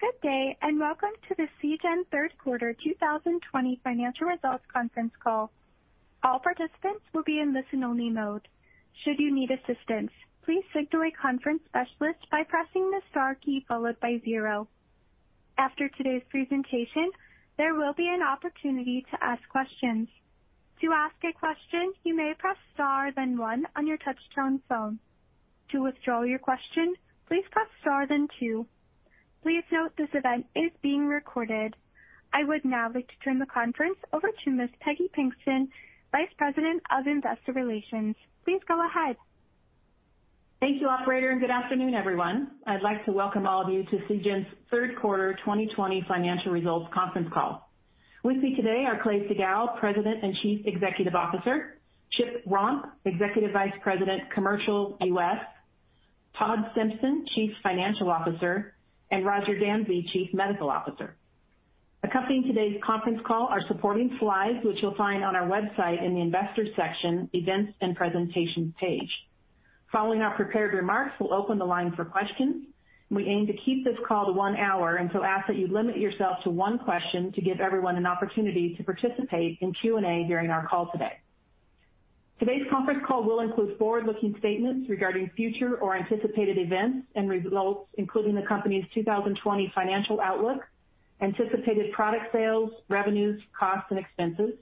Good day, and welcome to the Seagen Third Quarter 2020 Financial Results Conference Call. All participants will be on listen only mode, should you need assistance please signal a conference specialist by pressing the star key followed by zero. After today's presentation there will be an opportunity to ask questions. To ask a question you may press star then one on your touch-tone phone, to withdraw your question please press star then two. Please note that this event is being recorded. I would now like to turn the conference over to Miss Peggy Pinkston, Vice President of Investor Relations. Please go ahead. Thank you, operator, and good afternoon, everyone. I'd like to welcome all of you to Seagen's third quarter 2020 financial results conference call. With me today are Clay Siegall, President and Chief Executive Officer, Chip Romp, Executive Vice President commercial U.S., Todd Simpson, Chief Financial Officer, and Roger Dansey, Chief Medical Officer. Accompanying today's conference call are supporting slides which you'll find on our website in the Investors section, Events and Presentations page. Following our prepared remarks, we'll open the line for questions. We aim to keep this call to one hour and so ask that you limit yourself to one question to give everyone an opportunity to participate in Q&A during our call today. Today's conference call will include forward-looking statements regarding future or anticipated events and results, including the company's 2020 financial outlook, anticipated product sales, revenues, costs, and expenses,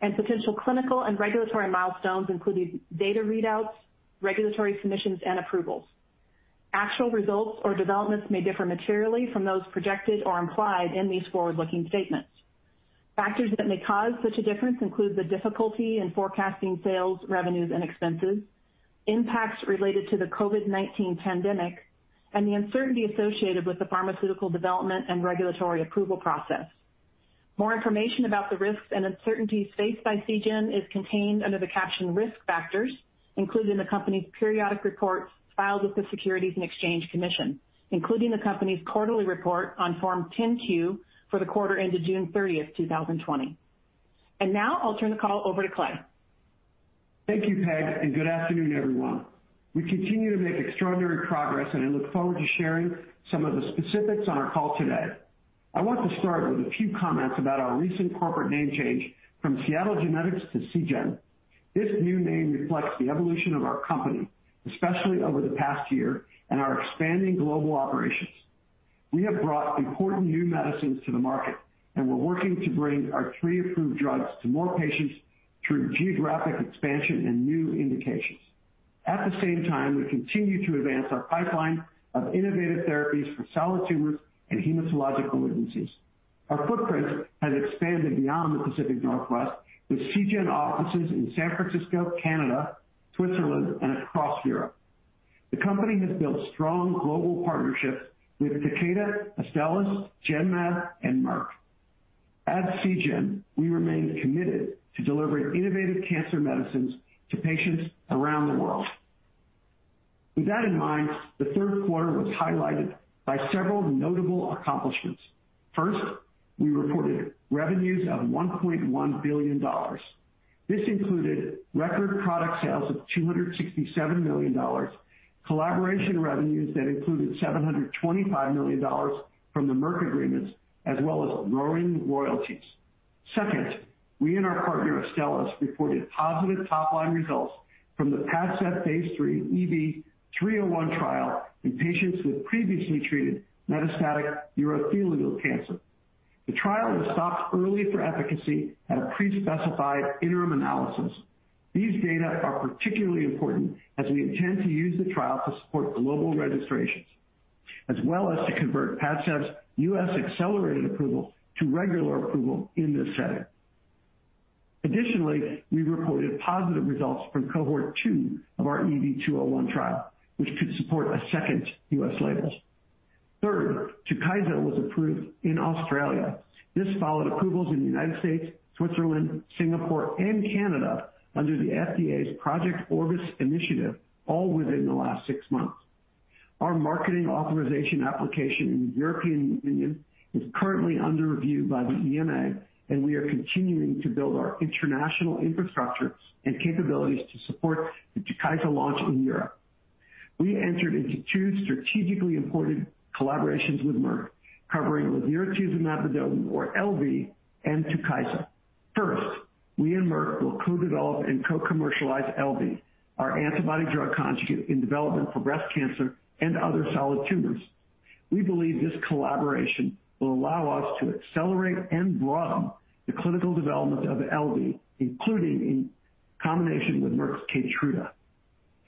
and potential clinical and regulatory milestones, including data readouts, regulatory submissions, and approvals. Actual results or developments may differ materially from those projected or implied in these forward-looking statements. Factors that may cause such a difference include the difficulty in forecasting sales, revenues, and expenses, impacts related to the COVID-19 pandemic, and the uncertainty associated with the pharmaceutical development and regulatory approval process. More information about the risks and uncertainties faced by Seagen is contained under the caption Risk Factors included in the company's periodic reports filed with the Securities and Exchange Commission, including the company's quarterly report on Form 10-Q for the quarter ended June 30th, 2020. Now I'll turn the call over to Clay. Thank you, Peggy, and good afternoon, everyone. We continue to make extraordinary progress, and I look forward to sharing some of the specifics on our call today. I want to start with a few comments about our recent corporate name change from Seattle Genetics to Seagen. This new name reflects the evolution of our company, especially over the past year and our expanding global operations. We have brought important new medicines to the market, and we're working to bring our three approved drugs to more patients through geographic expansion and new indications. At the same time, we continue to advance our pipeline of innovative therapies for solid tumors and hematological diseases. Our footprint has expanded beyond the Pacific Northwest with Seagen offices in San Francisco, Canada, Switzerland, and across Europe. The company has built strong global partnerships with Takeda, Astellas Pharma, Genmab, and Merck. At Seagen, we remain committed to delivering innovative cancer medicines to patients around the world. With that in mind, the third quarter was highlighted by several notable accomplishments. We reported revenues of $1.1 billion. This included record product sales of $267 million, collaboration revenues that included $725 million from the Merck agreements, as well as growing royalties. We and our partner Astellas Pharma reported positive top-line results from the PADCEV phase III EV-301 trial in patients with previously treated metastatic urothelial cancer. The trial was stopped early for efficacy at a pre-specified interim analysis. These data are particularly important as we intend to use the trial to support global registrations, as well as to convert PADCEV's U.S. accelerated approval to regular approval in this setting. We reported positive results from Cohort 2 of our EV-201 trial, which could support a second U.S. label. Third, TUKYSA was approved in Australia. This followed approvals in the U.S., Switzerland, Singapore, and Canada under the FDA's Project Orbis initiative all within the last six months. Our marketing authorization application in the European Union is currently under review by the EMA, and we are continuing to build our international infrastructure and capabilities to support the TUKYSA launch in Europe. We entered into two strategically important collaborations with Merck covering ladiratuzumab vedotin or LV and TUKYSA. First, we and Merck will co-develop and co-commercialize LV, our antibody drug conjugate in development for breast cancer and other solid tumors. We believe this collaboration will allow us to accelerate and broaden the clinical development of LV, including in combination with Merck's KEYTRUDA.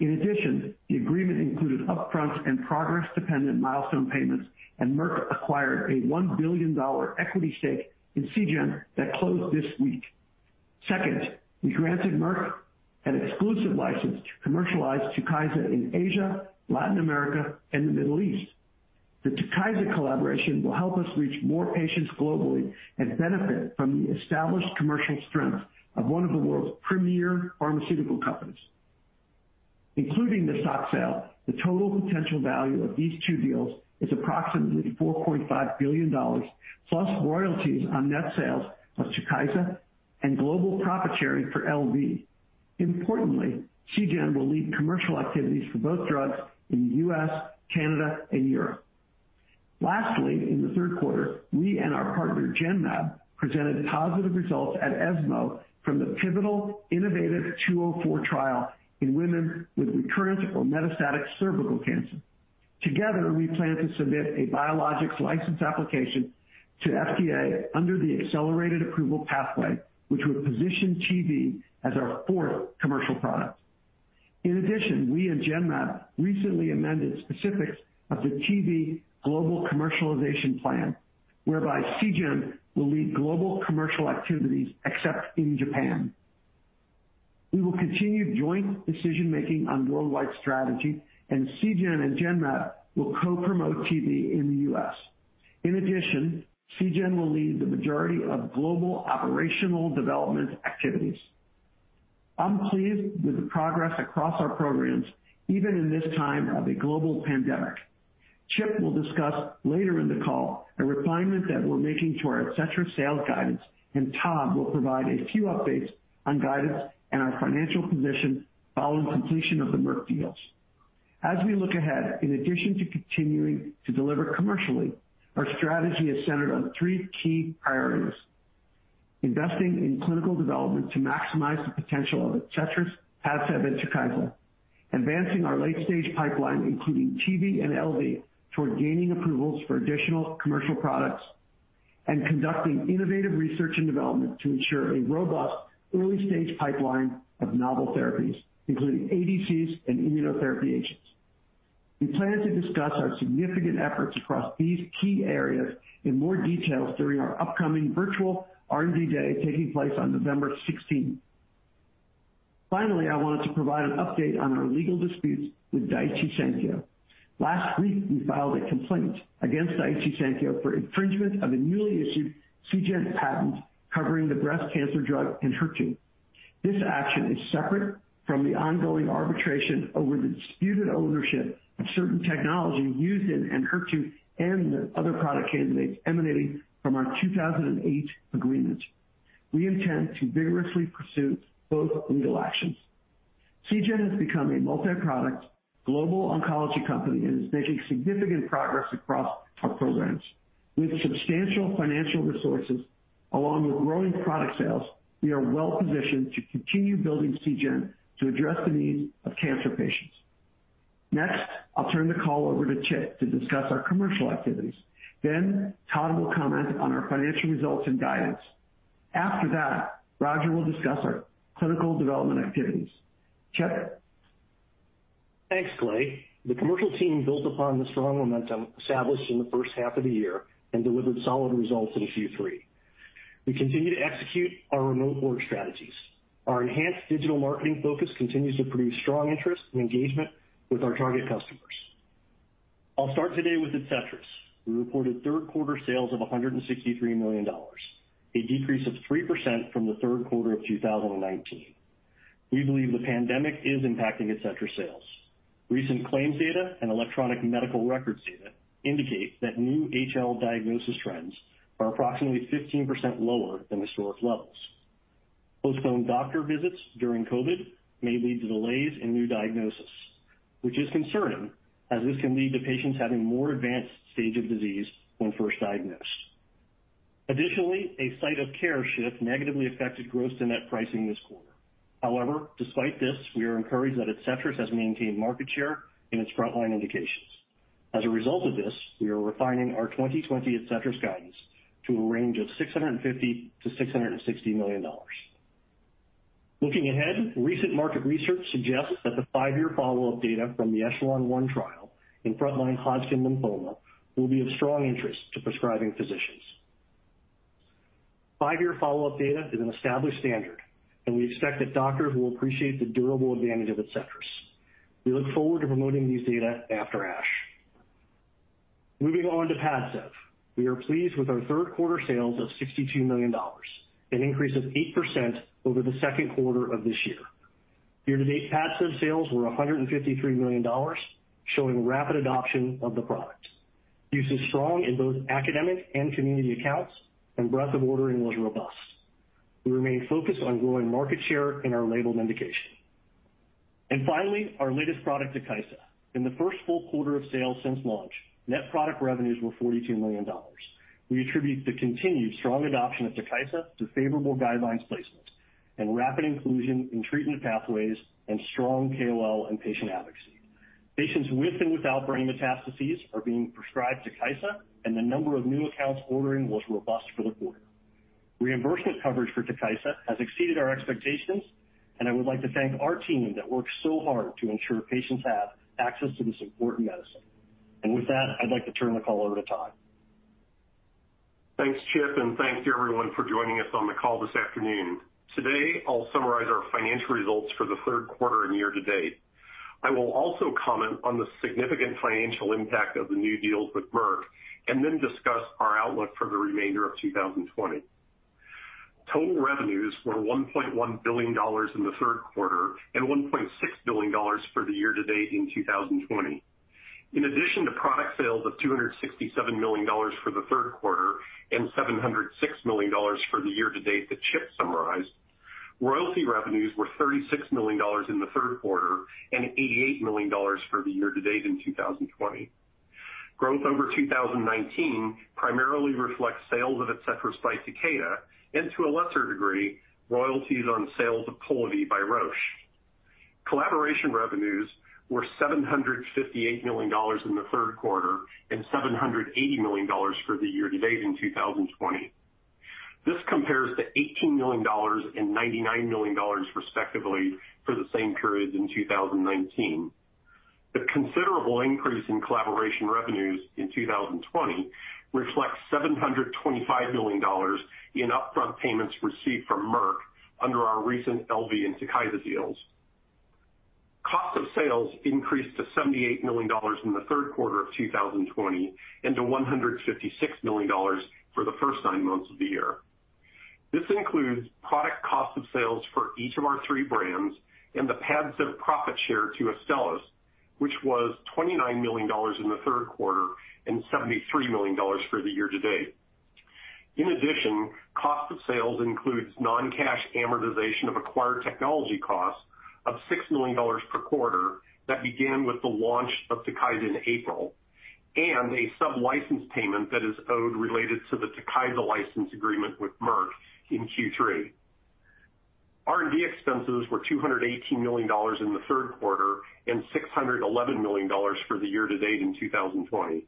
In addition, the agreement included upfront and progress-dependent milestone payments, and Merck acquired a $1 billion equity stake in Seagen that closed this week. Second, we granted Merck an exclusive license to commercialize TUKYSA in Asia, Latin America, and the Middle East. The TUKYSA collaboration will help us reach more patients globally and benefit from the established commercial strength of one of the world's premier pharmaceutical companies. Including the stock sale, the total potential value of these two deals is approximately $4.5 billion plus royalties on net sales plus TUKYSA and global profit sharing for LV. Importantly, Seagen will lead commercial activities for both drugs in the U.S., Canada, and Europe. Lastly, in the third quarter, we and our partner, Genmab, presented positive results at ESMO from the pivotal innovaTV 204 trial in women with recurrent or metastatic cervical cancer. Together, we plan to submit a biologics license application to FDA under the accelerated approval pathway, which would position TV as our fourth commercial product. In addition, we and Genmab recently amended specifics of the TV global commercialization plan, whereby Seagen will lead global commercial activities, except in Japan. We will continue joint decision-making on worldwide strategy, and Seagen and Genmab will co-promote TV in the U.S. In addition, Seagen will lead the majority of global operational development activities. I'm pleased with the progress across our programs, even in this time of a global pandemic. Chip will discuss later in the call a refinement that we're making to our ADCETRIS sales guidance, and Todd will provide a few updates on guidance and our financial position following completion of the Merck deals. As we look ahead, in addition to continuing to deliver commercially, our strategy is centered on three key priorities. Investing in clinical development to maximize the potential of ADCETRIS, PADCEV, and TUKYSA. Advancing our late-stage pipeline, including TV and LV, toward gaining approvals for additional commercial products. Conducting innovative research and development to ensure a robust early-stage pipeline of novel therapies, including ADCs and immunotherapy agents. We plan to discuss our significant efforts across these key areas in more details during our upcoming virtual R&D Day taking place on November 16th. Finally, I wanted to provide an update on our legal disputes with Daiichi Sankyo. Last week, we filed a complaint against Daiichi Sankyo for infringement of a newly issued Seagen patent covering the breast cancer drug Enhertu. This action is separate from the ongoing arbitration over the disputed ownership of certain technology used in Enhertu and the other product candidates emanating from our 2008 agreement. We intend to vigorously pursue both legal actions. Seagen has become a multi-product global oncology company and is making significant progress across our programs. With substantial financial resources, along with growing product sales, we are well-positioned to continue building Seagen to address the needs of cancer patients. Next, I'll turn the call over to Chip to discuss our commercial activities. Todd will comment on our financial results and guidance. After that, Roger will discuss our clinical development activities. Chip? Thanks, Clay. The commercial team built upon the strong momentum established in the first half of the year and delivered solid results in Q3. We continue to execute our remote work strategies. Our enhanced digital marketing focus continues to produce strong interest and engagement with our target customers. I'll start today with ADCETRIS, who reported third-quarter sales of $163 million, a decrease of 3% from the third quarter of 2019. We believe the pandemic is impacting ADCETRIS sales. Recent claims data and electronic medical records data indicate that new HL diagnosis trends are approximately 15% lower than historic levels. Postponed doctor visits during COVID may lead to delays in new diagnosis, which is concerning, as this can lead to patients having more advanced stage of disease when first diagnosed. Additionally, a site of care shift negatively affected gross to net pricing this quarter. However, despite this, we are encouraged that ADCETRIS has maintained market share in its frontline indications. As a result of this, we are refining our 2020 ADCETRIS guidance to a range of $650 million-$660 million. Looking ahead, recent market research suggests that the five-year follow-up data from the ECHELON-1 trial in frontline Hodgkin lymphoma will be of strong interest to prescribing physicians. Five-year follow-up data is an established standard, we expect that doctors will appreciate the durable advantage of ADCETRIS. We look forward to promoting these data after ASH. Moving on to PADCEV. We are pleased with our third-quarter sales of $62 million, an increase of 8% over the second quarter of this year. Year-to-date PADCEV sales were $153 million, showing rapid adoption of the product. Use is strong in both academic and community accounts, breadth of ordering was robust. We remain focused on growing market share in our labeled indication. Finally, our latest product, TUKYSA. In the first full quarter of sales since launch, net product revenues were $42 million. We attribute the continued strong adoption of TUKYSA to favorable guidelines placement and rapid inclusion in treatment pathways and strong KOL and patient advocacy. Patients with and without brain metastases are being prescribed TUKYSA, and the number of new accounts ordering was robust for the quarter. Reimbursement coverage for TUKYSA has exceeded our expectations, and I would like to thank our team that works so hard to ensure patients have access to this important medicine. With that, I'd like to turn the call over to Todd. Thanks, Chip, and thanks to everyone for joining us on the call this afternoon. Today, I'll summarize our financial results for the third quarter and year-to-date. I will also comment on the significant financial impact of the new deals with Merck and then discuss our outlook for the remainder of 2020. Total revenues were $1.1 billion in the third quarter and $1.6 billion for the year-to-date in 2020. In addition to product sales of $267 million for the third quarter and $706 million for the year-to-date that Chip summarized, royalty revenues were $36 million in the third quarter and $88 million for the year-to-date in 2020. Growth over 2019 primarily reflects sales of ADCETRIS by Takeda, and to a lesser degree, royalties on sales of POLIVY by Roche. Collaboration revenues were $758 million in the third quarter and $780 million for the year-to-date in 2020. This compares to $18 million and $99 million respectively for the same period in 2019. The considerable increase in collaboration revenues in 2020 reflects $725 million in upfront payments received from Merck under our recent LV and TUKYSA deals. Cost of sales increased to $78 million in the third quarter of 2020 and to $156 million for the first nine months of the year. This includes product cost of sales for each of our three brands and the PADCEV profit share to Astellas Pharma, which was $29 million in the third quarter and $73 million for the year-to-date. In addition, cost of sales includes non-cash amortization of acquired technology costs of $6 million per quarter that began with the launch of TUKYSA in April, and a sublicense payment that is owed related to the TUKYSA license agreement with Merck in Q3. R&D expenses were $218 million in the third quarter and $611 million for the year-to-date in 2020.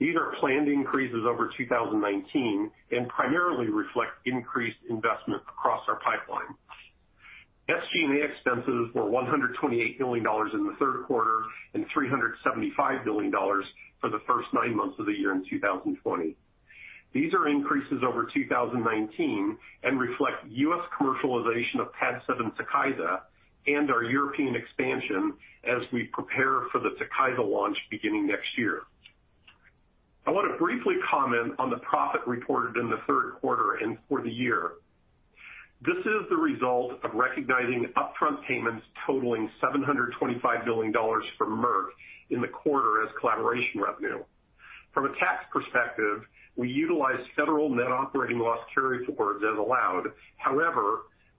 These are planned increases over 2019 and primarily reflect increased investment across our pipeline. SG&A expenses were $128 million in the third quarter and $375 million for the first nine months of the year in 2020. These are increases over 2019 and reflect U.S. commercialization of PADCEV and TUKYSA, and our European expansion as we prepare for the TUKYSA launch beginning next year. I want to briefly comment on the profit reported in the third quarter and for the year. This is the result of recognizing upfront payments totaling $725 million from Merck in the quarter as collaboration revenue. From a tax perspective, we utilized federal net operating loss carryforwards as allowed.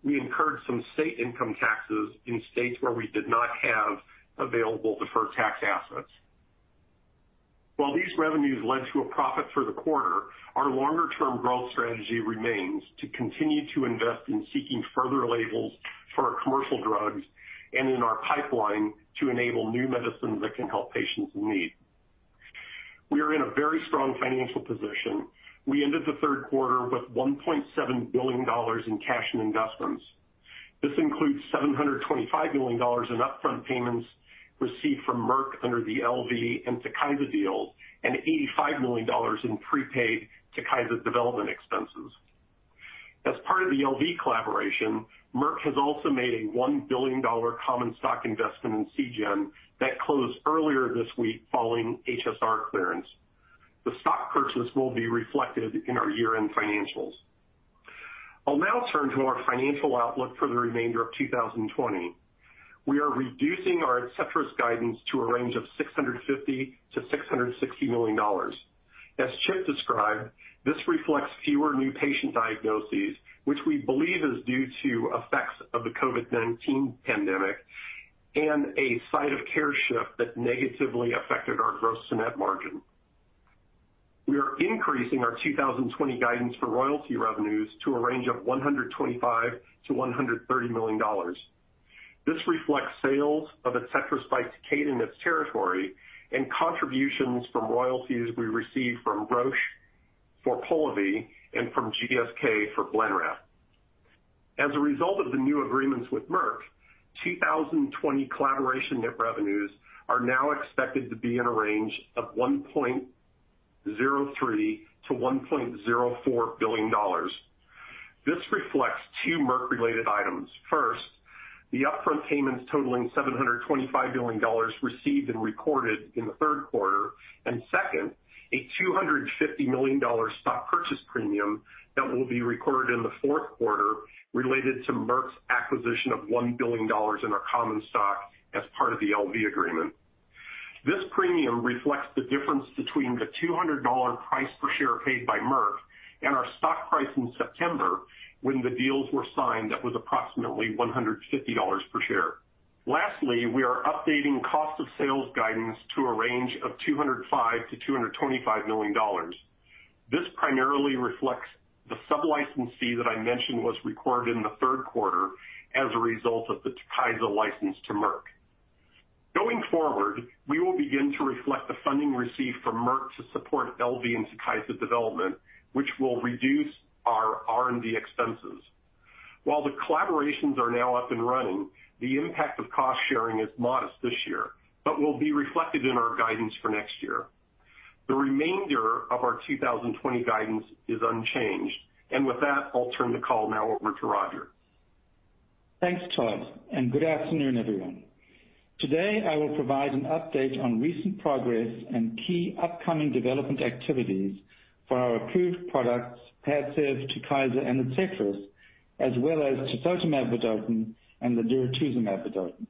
We incurred some state income taxes in states where we did not have available deferred tax assets. These revenues led to a profit for the quarter, our longer-term growth strategy remains to continue to invest in seeking further labels for our commercial drugs and in our pipeline to enable new medicines that can help patients in need. We are in a very strong financial position. We ended the third quarter with $1.7 billion in cash and investments. This includes $725 million in upfront payments received from Merck under the LV and TUKYSA deals and $85 million in prepaid TUKYSA development expenses. As part of the LV collaboration, Merck has also made a $1 billion common stock investment in Seagen that closed earlier this week following HSR clearance. The stock purchase will be reflected in our year-end financials. I'll now turn to our financial outlook for the remainder of 2020. We are reducing our ADCETRIS guidance to a range of $650 million-$660 million. As Chip described, this reflects fewer new patient diagnoses, which we believe is due to effects of the COVID-19 pandemic and a site of care shift that negatively affected our gross net margin. We are increasing our 2020 guidance for royalty revenues to a range of $125 million-$130 million. This reflects sales of ADCETRIS by Takeda in its territory and contributions from royalties we receive from Roche for POLIVY and from GSK for BLENREP. As a result of the new agreements with Merck, 2020 collaboration net revenues are now expected to be in a range of $1.03 billion-$1.04 billion. This reflects two Merck-related items. First, the upfront payments totaling $725 million received and recorded in the third quarter, and second, a $250 million stock purchase premium that will be recorded in the fourth quarter related to Merck's acquisition of $1 billion in our common stock as part of the LV agreement. This premium reflects the difference between the $200 price per share paid by Merck and our stock price in September when the deals were signed, that was approximately $150 per share. Lastly, we are updating cost of sales guidance to a range of $205 million-$225 million. This primarily reflects the sublicense fee that I mentioned was recorded in the third quarter as a result of the TUKYSA license to Merck. Going forward, we will begin to reflect the funding received from Merck to support LV and TUKYSA development, which will reduce our R&D expenses. While the collaborations are now up and running, the impact of cost-sharing is modest this year, but will be reflected in our guidance for next year. The remainder of our 2020 guidance is unchanged. With that, I'll turn the call now over to Roger. Thanks, Todd. Good afternoon, everyone. Today, I will provide an update on recent progress and key upcoming development activities for our approved products, PADCEV, TUKYSA and ADCETRIS, as well as tisotumab vedotin and ladiratuzumab vedotin.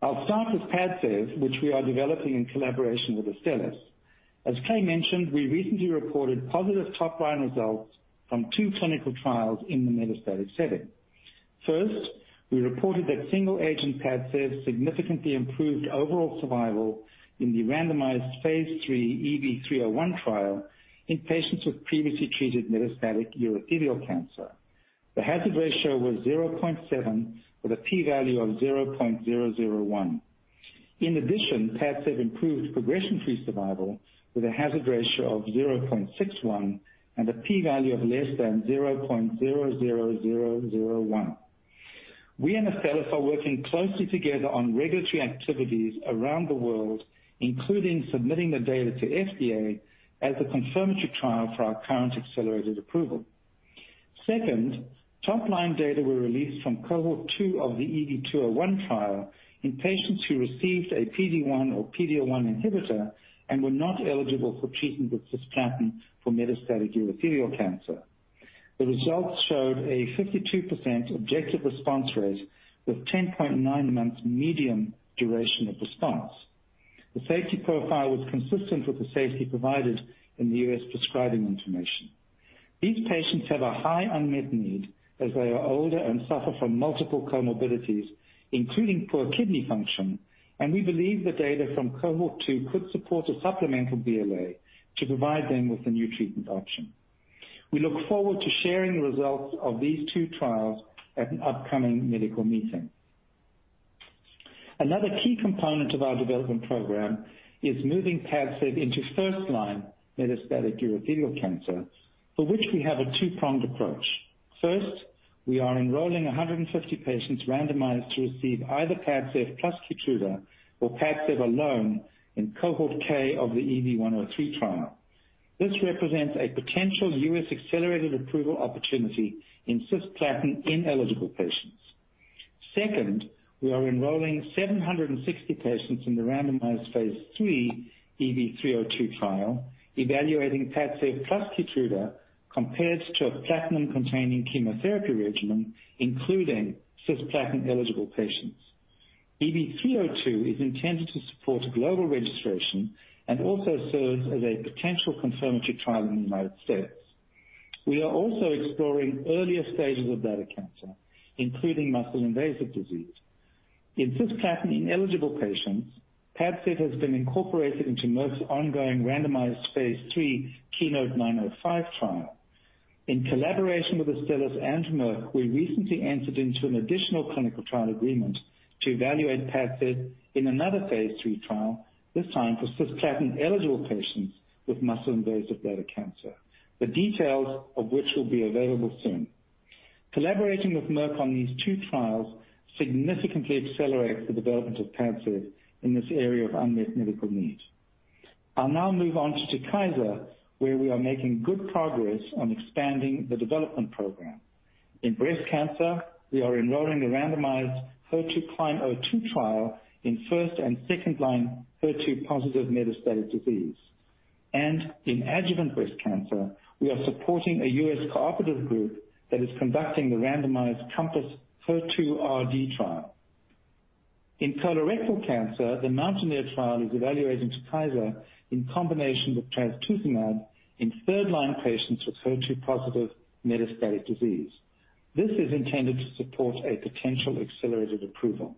I'll start with PADCEV, which we are developing in collaboration with Astellas Pharma. As Clay mentioned, we recently reported positive top line results from two clinical trials in the metastatic setting. First, we reported that single agent PADCEV significantly improved overall survival in the randomized phase III EV-301 trial in patients with previously treated metastatic urothelial cancer. The hazard ratio was 0.7, with a P value of 0.001. In addition, PADCEV improved progression-free survival with a hazard ratio of 0.61 and a P value of less than 0.00001. We and Astellas Pharma are working closely together on regulatory activities around the world, including submitting the data to FDA as a confirmatory trial for our current accelerated approval. Second, top line data were released from Cohort 2 of the EV-201 trial in patients who received a PD-1 or PD-L1 inhibitor and were not eligible for treatment with cisplatin for metastatic urothelial cancer. The results showed a 52% objective response rate with 10.9 months median duration of response. The safety profile was consistent with the safety provided in the U.S. prescribing information. These patients have a high unmet need as they are older and suffer from multiple comorbidities, including poor kidney function, and we believe the data from Cohort 2 could support a supplemental BLA to provide them with a new treatment option. We look forward to sharing the results of these two trials at an upcoming medical meeting. Another key component of our development program is moving PADCEV into first line metastatic urothelial cancer, for which we have a two-pronged approach. We are enrolling 150 patients randomized to receive either PADCEV plus KEYTRUDA or PADCEV alone in Cohort K of the EV-103 trial. This represents a potential U.S. accelerated approval opportunity in cisplatin-ineligible patients. We are enrolling 760 patients in the randomized phase III EV-302 trial, evaluating PADCEV plus KEYTRUDA compared to a platinum-containing chemotherapy regimen, including cisplatin-eligible patients. EV-302 is intended to support global registration and also serves as a potential confirmatory trial in the United States. We are also exploring earlier stages of bladder cancer, including muscle-invasive disease. In cisplatin-ineligible patients, PADCEV has been incorporated into Merck's ongoing randomized phase III KEYNOTE-905 trial. In collaboration with Astellas Pharma and Merck, we recently entered into an additional clinical trial agreement to evaluate PADCEV in another phase III trial, this time for cisplatin-eligible patients with muscle-invasive bladder cancer, the details of which will be available soon. Collaborating with Merck on these two trials significantly accelerates the development of PADCEV in this area of unmet medical need. I'll now move on to TUKYSA, where we are making good progress on expanding the development program. In breast cancer, we are enrolling a randomized HER2CLIMB-02 trial in first and second line HER2+ metastatic disease. In adjuvant breast cancer, we are supporting a U.S. cooperative group that is conducting the randomized CompassHER2 RD trial. In colorectal cancer, the MOUNTAINEER trial is evaluating TUKYSA in combination with trastuzumab in third line patients with HER2+ metastatic disease. This is intended to support a potential accelerated approval.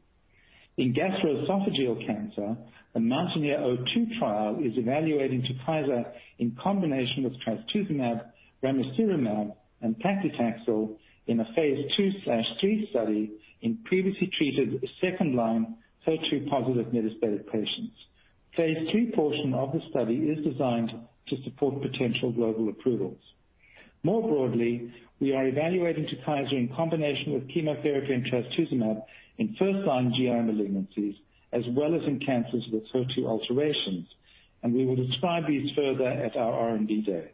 In gastroesophageal cancer, the MOUNTAINEER-02 trial is evaluating TUKYSA in combination with trastuzumab, ramucirumab, and paclitaxel in a phase II/III study in previously treated second-line HER2+ metastatic patients. Phase III portion of the study is designed to support potential global approvals. More broadly, we are evaluating TUKYSA in combination with chemotherapy and trastuzumab in first-line GI malignancies, as well as in cancers with HER2 alterations, and we will describe these further at our R&D Day.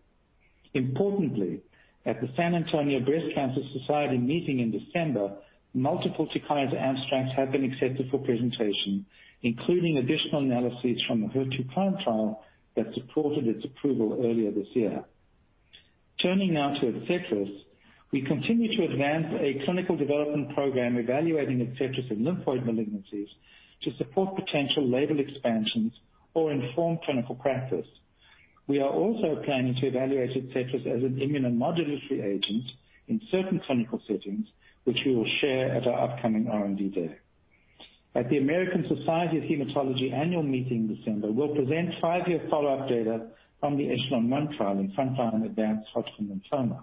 Importantly, at the San Antonio Breast Cancer Symposium in December, multiple tucatinib abstracts have been accepted for presentation, including additional analyses from the HER2CLIMB trial that supported its approval earlier this year. Turning now to ADCETRIS, we continue to advance a clinical development program evaluating ADCETRIS in lymphoid malignancies to support potential label expansions or inform clinical practice. We are also planning to evaluate ADCETRIS as an immunomodulatory agent in certain clinical settings, which we will share at our upcoming R&D Day. At the American Society of Hematology annual meeting in December, we'll present five-year follow-up data from the ECHELON-1 trial in front line advanced Hodgkin lymphoma.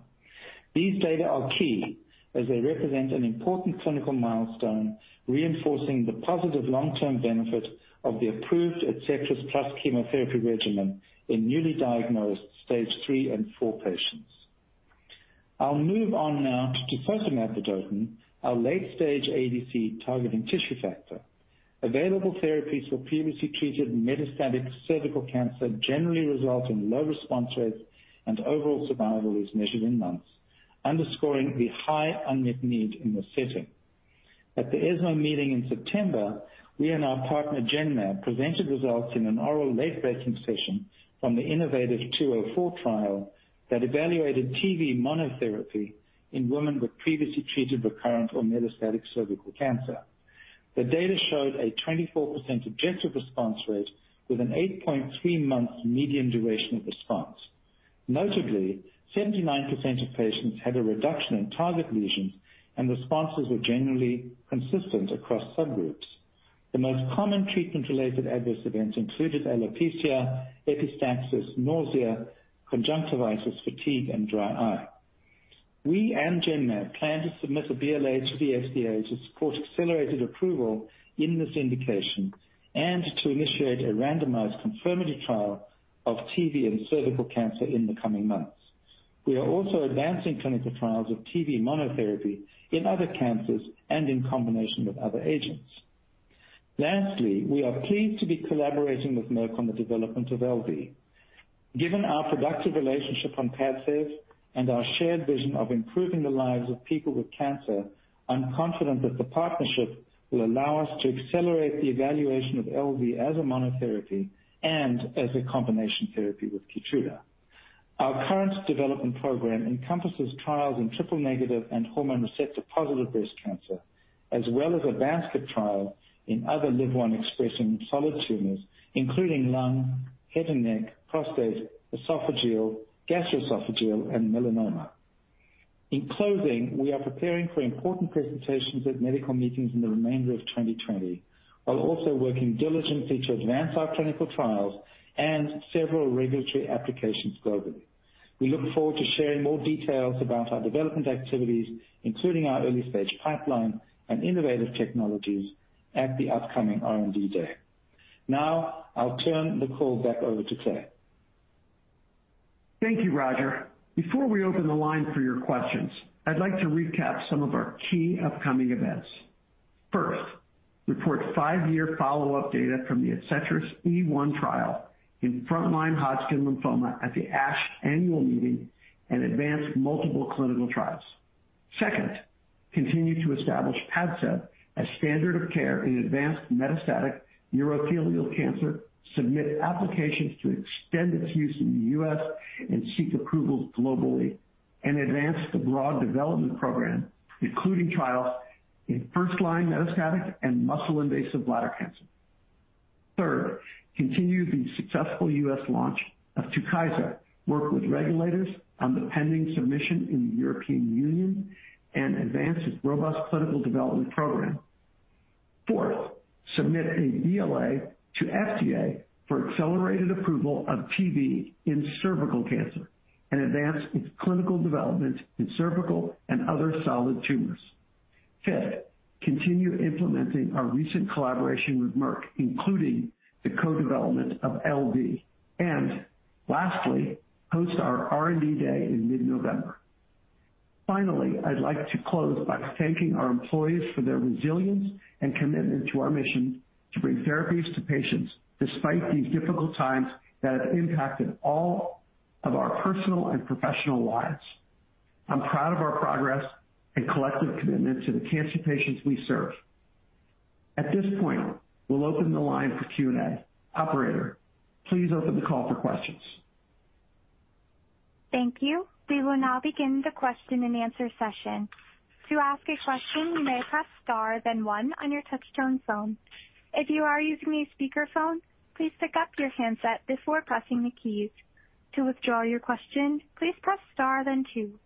These data are key as they represent an important clinical milestone, reinforcing the positive long-term benefit of the approved ADCETRIS plus chemotherapy regimen in newly diagnosed Stage 3 and 4 patients. I'll move on now to tisotumab vedotin, our late-stage ADC targeting tissue factor. Available therapies for previously treated metastatic cervical cancer generally result in low response rates and overall survival is measured in months, underscoring the high unmet need in this setting. At the ESMO meeting in September, we and our partner Genmab presented results in an oral late-breaking session from the innovaTV 204 trial that evaluated TV monotherapy in women with previously treated recurrent or metastatic cervical cancer. The data showed a 24% objective response rate with an 8.3-month median duration of response. Notably, 79% of patients had a reduction in target lesions, and responses were generally consistent across subgroups. The most common treatment-related adverse events included alopecia, epistaxis, nausea, conjunctivitis, fatigue, and dry eye. We and Genmab plan to submit a BLA to the FDA to support accelerated approval in this indication, and to initiate a randomized confirmatory trial of TV in cervical cancer in the coming months. We are also advancing clinical trials of TV monotherapy in other cancers and in combination with other agents. Lastly, we are pleased to be collaborating with Merck on the development of LV. Given our productive relationship on PADCEV and our shared vision of improving the lives of people with cancer, I'm confident that the partnership will allow us to accelerate the evaluation of LV as a monotherapy and as a combination therapy with KEYTRUDA. Our current development program encompasses trials in triple-negative and hormone receptor-positive breast cancer, as well as a basket trial in other LIV-1-expressing solid tumors, including lung, head and neck, prostate, esophageal, gastroesophageal, and melanoma. In closing, we are preparing for important presentations at medical meetings in the remainder of 2020, while also working diligently to advance our clinical trials and several regulatory applications globally. We look forward to sharing more details about our development activities, including our early-stage pipeline and innovative technologies, at the upcoming R&D Day. Now, I'll turn the call back over to Clay. Thank you, Roger. Before we open the line for your questions, I'd like to recap some of our key upcoming events. First, report five-year follow-up data from the ADCETRIS ECHELON-1 trial in frontline Hodgkin lymphoma at the ASH annual meeting and advance multiple clinical trials. Second, continue to establish PADCEV as standard of care in advanced metastatic urothelial cancer, submit applications to extend its use in the U.S. and seek approvals globally, and advance the broad development program, including trials in first-line metastatic and muscle-invasive bladder cancer. Third, continue the successful U.S. launch of TUKYSA, work with regulators on the pending submission in the European Union, and advance its robust clinical development program. Fourth, submit a BLA to FDA for accelerated approval of TV in cervical cancer and advance its clinical development in cervical and other solid tumors. Fifth, continue implementing our recent collaboration with Merck, including the co-development of LV. Lastly, host our R&D Day in mid-November. I'd like to close by thanking our employees for their resilience and commitment to our mission to bring therapies to patients despite these difficult times that have impacted all of our personal and professional lives. I'm proud of our progress and collective commitment to the cancer patients we serve. At this point, we'll open the line for Q&A. Operator, please open the call for questions. Thank you. We will now begin the question-and-answer session. To ask a question, you may press star then one on your touch-tone phone. If you are using a speakerphone, please pick up your handset before pressing the keys. To withdraw your question, please press star then two.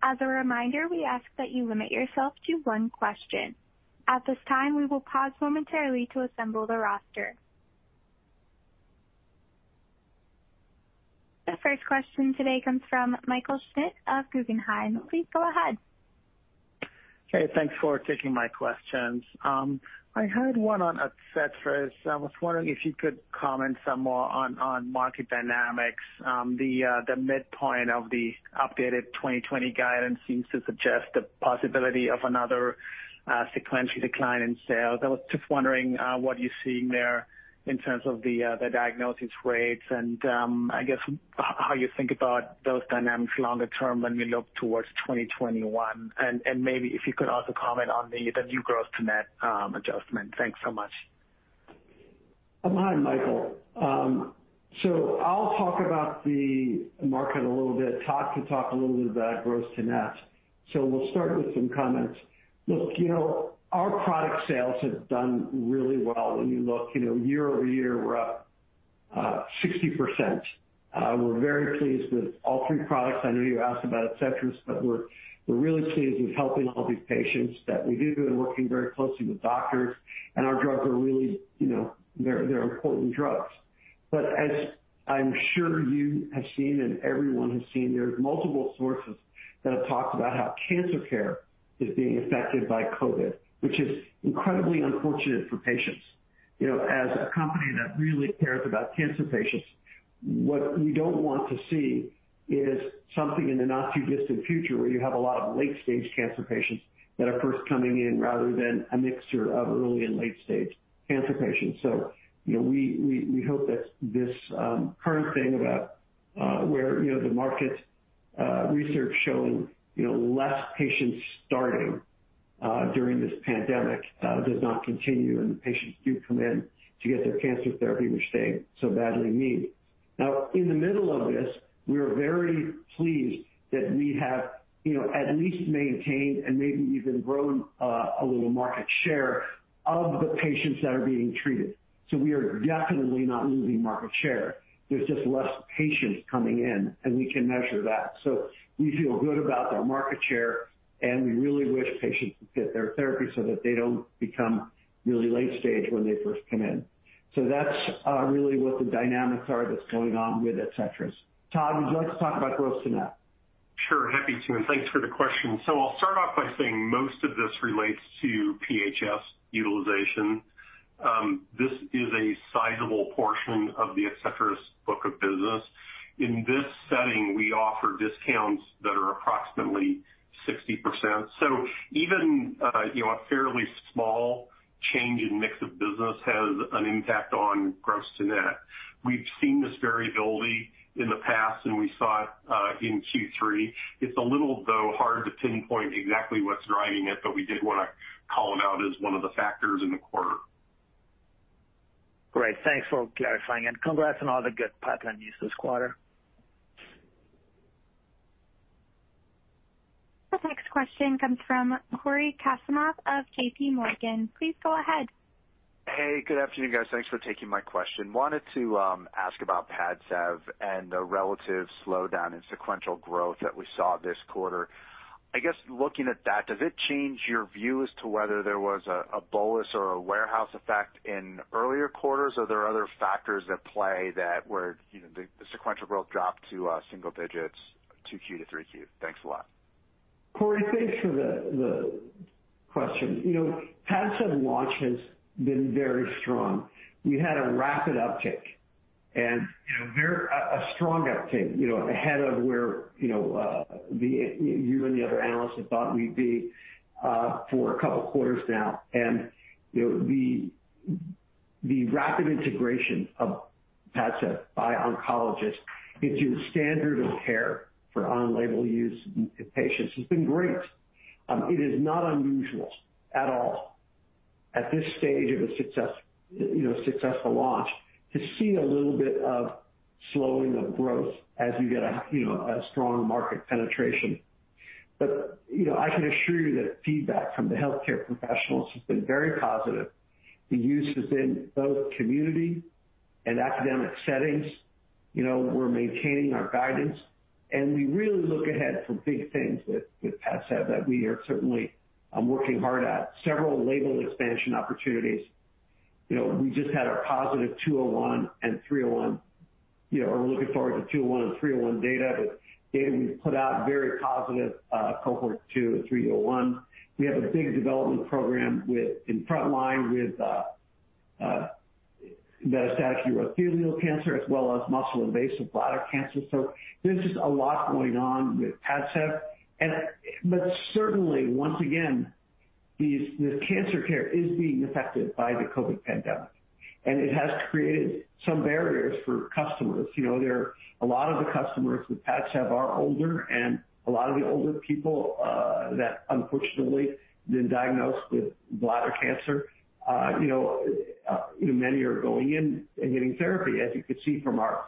As a reminder, we ask that you limit yourself to one question. At this time, we will pause momentarily to assemble the roster. The first question today comes from Michael Schmidt of Guggenheim. Please go ahead. Okay. Thanks for taking my questions. I had one on ADCETRIS. I was wondering if you could comment some more on market dynamics. The midpoint of the updated 2020 guidance seems to suggest the possibility of another sequential decline in sales. I was just wondering what you're seeing there in terms of the diagnosis rates and, I guess, how you think about those dynamics longer term when we look towards 2021. Maybe if you could also comment on the new gross-to-net adjustment. Thanks so much. Hi, Michael. I'll talk about the market a little bit. Todd can talk a little bit about gross to net. We'll start with some comments. Look, our product sales have done really well. When you look year-over-year, we're up 60%. We're very pleased with all three products. I know you asked about ADCETRIS, but we're really pleased with helping all these patients that we do and working very closely with doctors, and our drugs are really important drugs. As I'm sure you have seen, and everyone has seen, there's multiple sources that have talked about how cancer care is being affected by COVID, which is incredibly unfortunate for patients. As a company that really cares about cancer patients, what we don't want to see is something in the not-too-distant future where you have a lot of late-stage cancer patients that are first coming in rather than a mixture of early and late-stage cancer patients. We hope that this current thing about where the market research showing less patients starting during this pandemic does not continue, and the patients do come in to get their cancer therapy, which they so badly need. Now, in the middle of this, we are very pleased that we have at least maintained, and maybe even grown a little market share of the patients that are being treated. We are definitely not losing market share. There's just less patients coming in, and we can measure that. We feel good about our market share, and we really wish patients could get their therapy so that they don't become really late-stage when they first come in. That's really what the dynamics are that's going on with ADCETRIS. Todd, would you like to talk about gross to net? Sure, happy to, and thanks for the question. I'll start off by saying most of this relates to PHS utilization. This is a sizable portion of the ADCETRIS book of business. In this setting, we offer discounts that are approximately 60%. Even a fairly small change in mix of business has an impact on gross to net. We've seen this variability in the past, and we saw it in Q3. It's a little, though, hard to pinpoint exactly what's driving it, but we did want to call it out as one of the factors in the quarter. Great. Thanks for clarifying it. Congrats on all the good pipeline news this quarter. The next question comes from Cory Kasimov of JPMorgan. Please go ahead. Hey, good afternoon, guys. Thanks for taking my question. Wanted to ask about PADCEV and the relative slowdown in sequential growth that we saw this quarter. I guess looking at that, does it change your view as to whether there was a bolus or a warehouse effect in earlier quarters? Are there other factors at play that where the sequential growth dropped to single digits 2Q to 3Q? Thanks a lot. Cory, thanks for the question. PADCEV launch has been very strong. We had a rapid uptick and a strong uptick ahead of where you and the other analysts thought we'd be for a couple of quarters now. The rapid integration of PADCEV by oncologists into standard of care for on-label use in patients has been great. It is not unusual at all at this stage of a successful launch to see a little bit of slowing of growth as you get a strong market penetration. I can assure you that feedback from the healthcare professionals has been very positive. The use has been both community and academic settings. We're maintaining our guidance, and we really look ahead for big things with PADCEV that we are certainly working hard at. Several label expansion opportunities. We just had our positive 201 and 301. We're looking forward to 201 and 301 data. The data we've put out, very positive Cohort 2 and 301. We have a big development program in frontline with metastatic urothelial cancer as well as muscle-invasive bladder cancer. There's just a lot going on with PADCEV. Certainly, once again, this cancer care is being affected by the COVID-19 pandemic, and it has created some barriers for customers. A lot of the customers with PADCEV are older, and a lot of the older people that unfortunately have been diagnosed with bladder cancer, many are going in and getting therapy, as you could see from our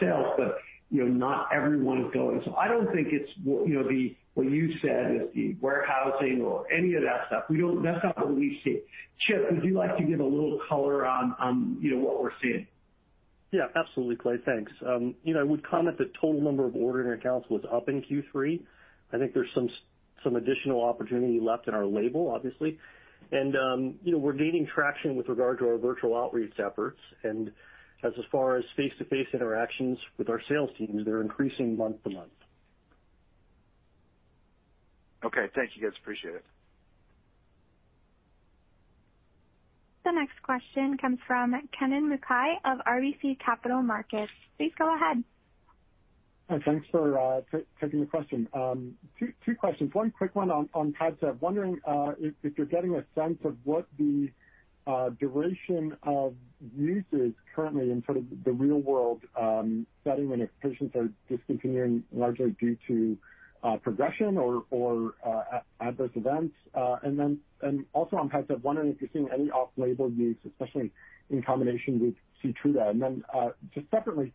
sales, but not everyone is going. I don't think it's what you said, the warehousing or any of that stuff. That's not what we see. Chip, would you like to give a little color on what we're seeing? Yeah, absolutely, Clay. Thanks. I would comment the total number of order accounts was up in Q3. I think there's some additional opportunity left in our label, obviously. We're gaining traction with regard to our virtual outreach efforts. As far as face-to-face interactions with our sales teams, they're increasing month-to-month. Okay. Thank you, guys. Appreciate it. The next question comes from Kennen MacKay of RBC Capital Markets. Please go ahead. Hi, thanks for taking the question. Two questions. One quick one on PADCEV. Wondering if you're getting a sense of what the duration of use is currently in sort of the real-world setting when patients are discontinuing largely due to progression or adverse events. Also on PADCEV, wondering if you're seeing any off-label use, especially in combination with KEYTRUDA. Just separately,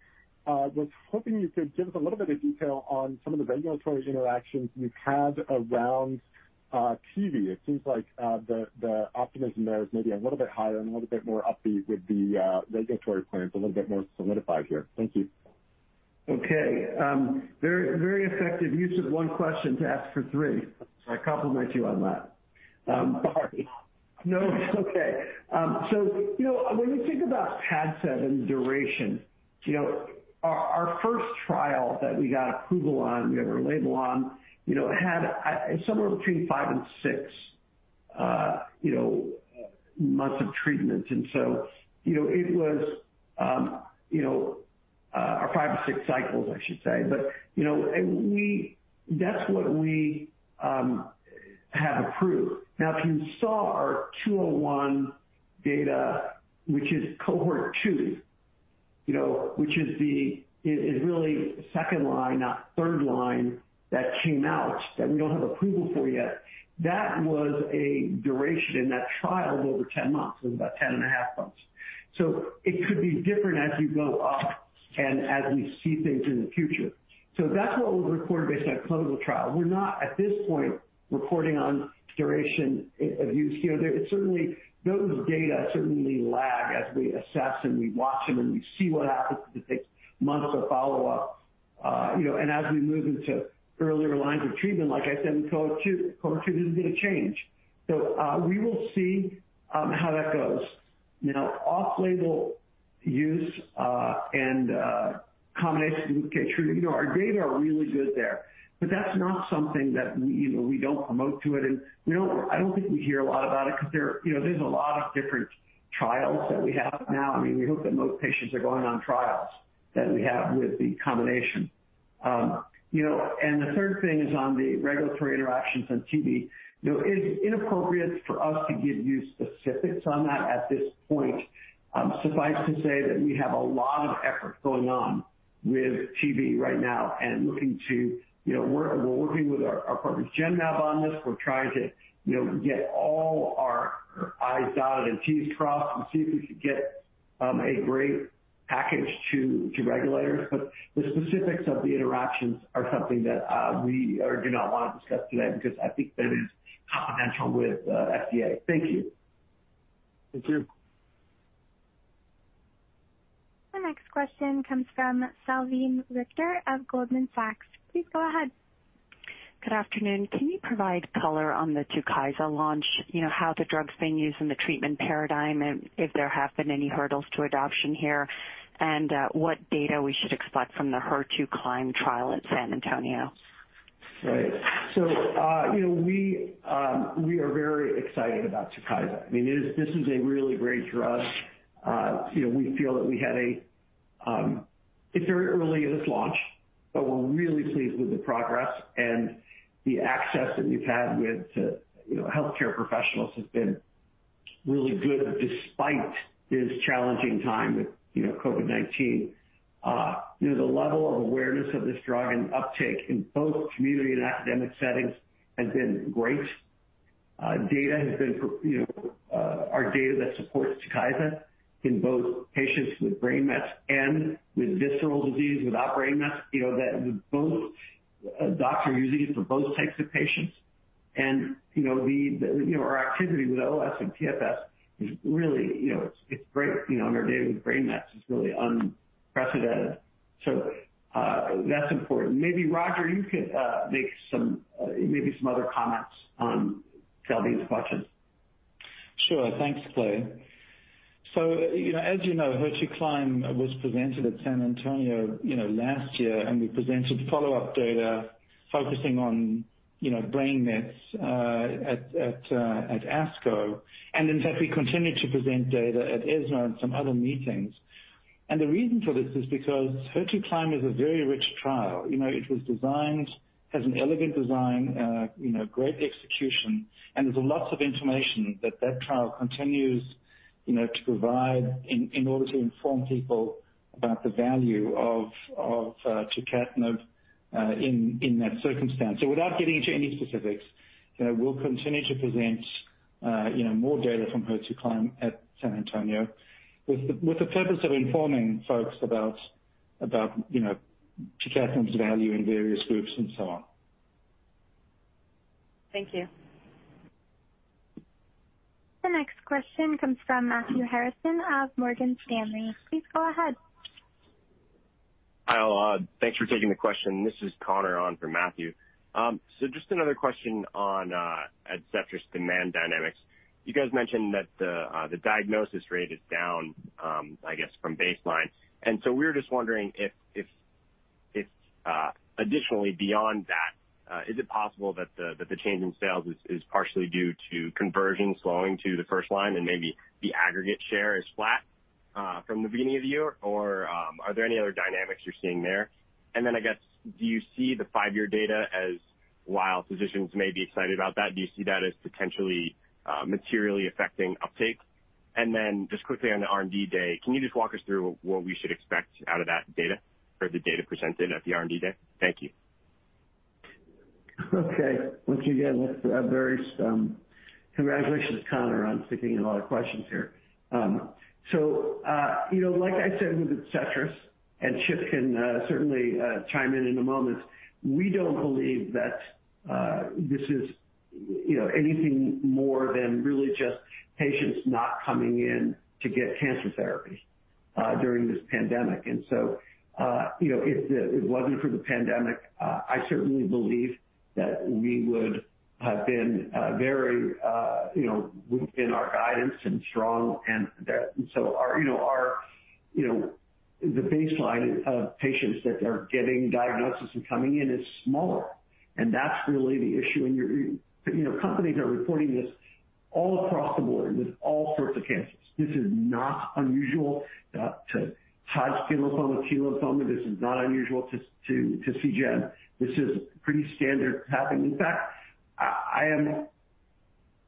was hoping you could give us a little bit of detail on some of the regulatory interactions you've had around TV. It seems like the optimism there is maybe a little bit higher and a little bit more upbeat with the regulatory plans a little bit more solidified here. Thank you. Okay. Very effective use of one question to ask for three. I compliment you on that. Sorry. No, it's okay. When we think about PADCEV and duration, our first trial that we got approval on, we have our label on, had somewhere between five and six months of treatment. It was our five or six cycles, I should say. That's what we have approved. Now, if you saw our 201 data, which is Cohort 2, which is really second line, not third line, that came out that we don't have approval for yet. That was a duration in that trial of over 10 months. It was about 10 and a half months. It could be different as we go up and as we see things in the future. That's what we'll record based on clinical trial. We're not, at this point, reporting on duration of use here. Those data certainly lag as we assess and we watch them and we see what happens, because it takes months of follow-up. As we move into earlier lines of treatment, like I said, in Cohort 2, Cohort 2 is going to change. We will see how that goes. Now, off-label use, and combination with KEYTRUDA, our data are really good there. That's not something that we don't promote to it, and I don't think we hear a lot about it because there's a lot of different trials that we have now. We hope that most patients are going on trials that we have with the combination. The third thing is on the regulatory interactions on TV. It's inappropriate for us to give you specifics on that at this point. Suffice to say that we have a lot of effort going on with TV right now and we're working with our partners, Genmab, on this. We're trying to get all our I's dotted and T's crossed and see if we could get a great package to regulators. But the specifics of the interactions are something that we do not want to discuss today, because I think that is confidential with FDA. Thank you. Thank you. The next question comes from Salveen Richter of Goldman Sachs. Please go ahead. Good afternoon. Can you provide color on the TUKYSA launch? How the drug's being used in the treatment paradigm, and if there have been any hurdles to adoption here, and what data we should expect from the HER2CLIMB trial at San Antonio? Right. We are very excited about TUKYSA. This is a really great drug. We feel that it's very early in its launch, but we're really pleased with the progress and the access that we've had with healthcare professionals has been really good despite this challenging time with COVID-19. The level of awareness of this drug and uptake in both community and academic settings has been great. Our data that supports TUKYSA in both patients with brain mets and with visceral disease without brain mets, that both doctors are using it for both types of patients. Our activity with OS and PFS is really it's great. Our data with brain mets is really unprecedented. That's important. Maybe Roger, you could make some other comments on Salveen's questions. Sure. Thanks, Clay. As you know, HER2CLIMB was presented at San Antonio last year, and we presented follow-up data focusing on brain metastases at ASCO. In fact, we continue to present data at ESMO and some other meetings. The reason for this is because HER2CLIMB is a very rich trial. It has an elegant design, great execution, and there's lots of information that that trial continues to provide in order to inform people about the value of tucatinib in that circumstance. Without getting into any specifics, we'll continue to present more data from HER2CLIMB at San Antonio with the purpose of informing folks about tucatinib's value in various groups and so on. Thank you. The next question comes from Matthew Harrison of Morgan Stanley. Please go ahead. Hi all. Thanks for taking the question. This is Connor on for Matthew. Just another question on ADCETRIS demand dynamics. You guys mentioned that the diagnosis rate is down, I guess, from baseline. We were just wondering if additionally beyond that, is it possible that the change in sales is partially due to conversion slowing to the first line and maybe the aggregate share is flat from the beginning of the year, or are there any other dynamics you're seeing there? Then, I guess, do you see the five-year data as, while physicians may be excited about that, do you see that as potentially materially affecting uptake? Then just quickly on the R&D Day, can you just walk us through what we should expect out of that data or the data presented at the R&D Day? Thank you. Okay. Once again, congratulations, Connor, on thinking of a lot of questions here. Like I said with ADCETRIS, and Chip can certainly chime in in a moment, we don't believe that this is anything more than really just patients not coming in to get cancer therapy during this pandemic. If it wasn't for the pandemic, I certainly believe that we would have been very within our guidance and strong and so the baseline of patients that are getting diagnosis and coming in is smaller, and that's really the issue. Companies are reporting this all across the board with all sorts of cancers. This is not unusual to Hodgkin lymphoma, T lymphoma. This is not unusual to Seagen. This is pretty standard happening. In fact, I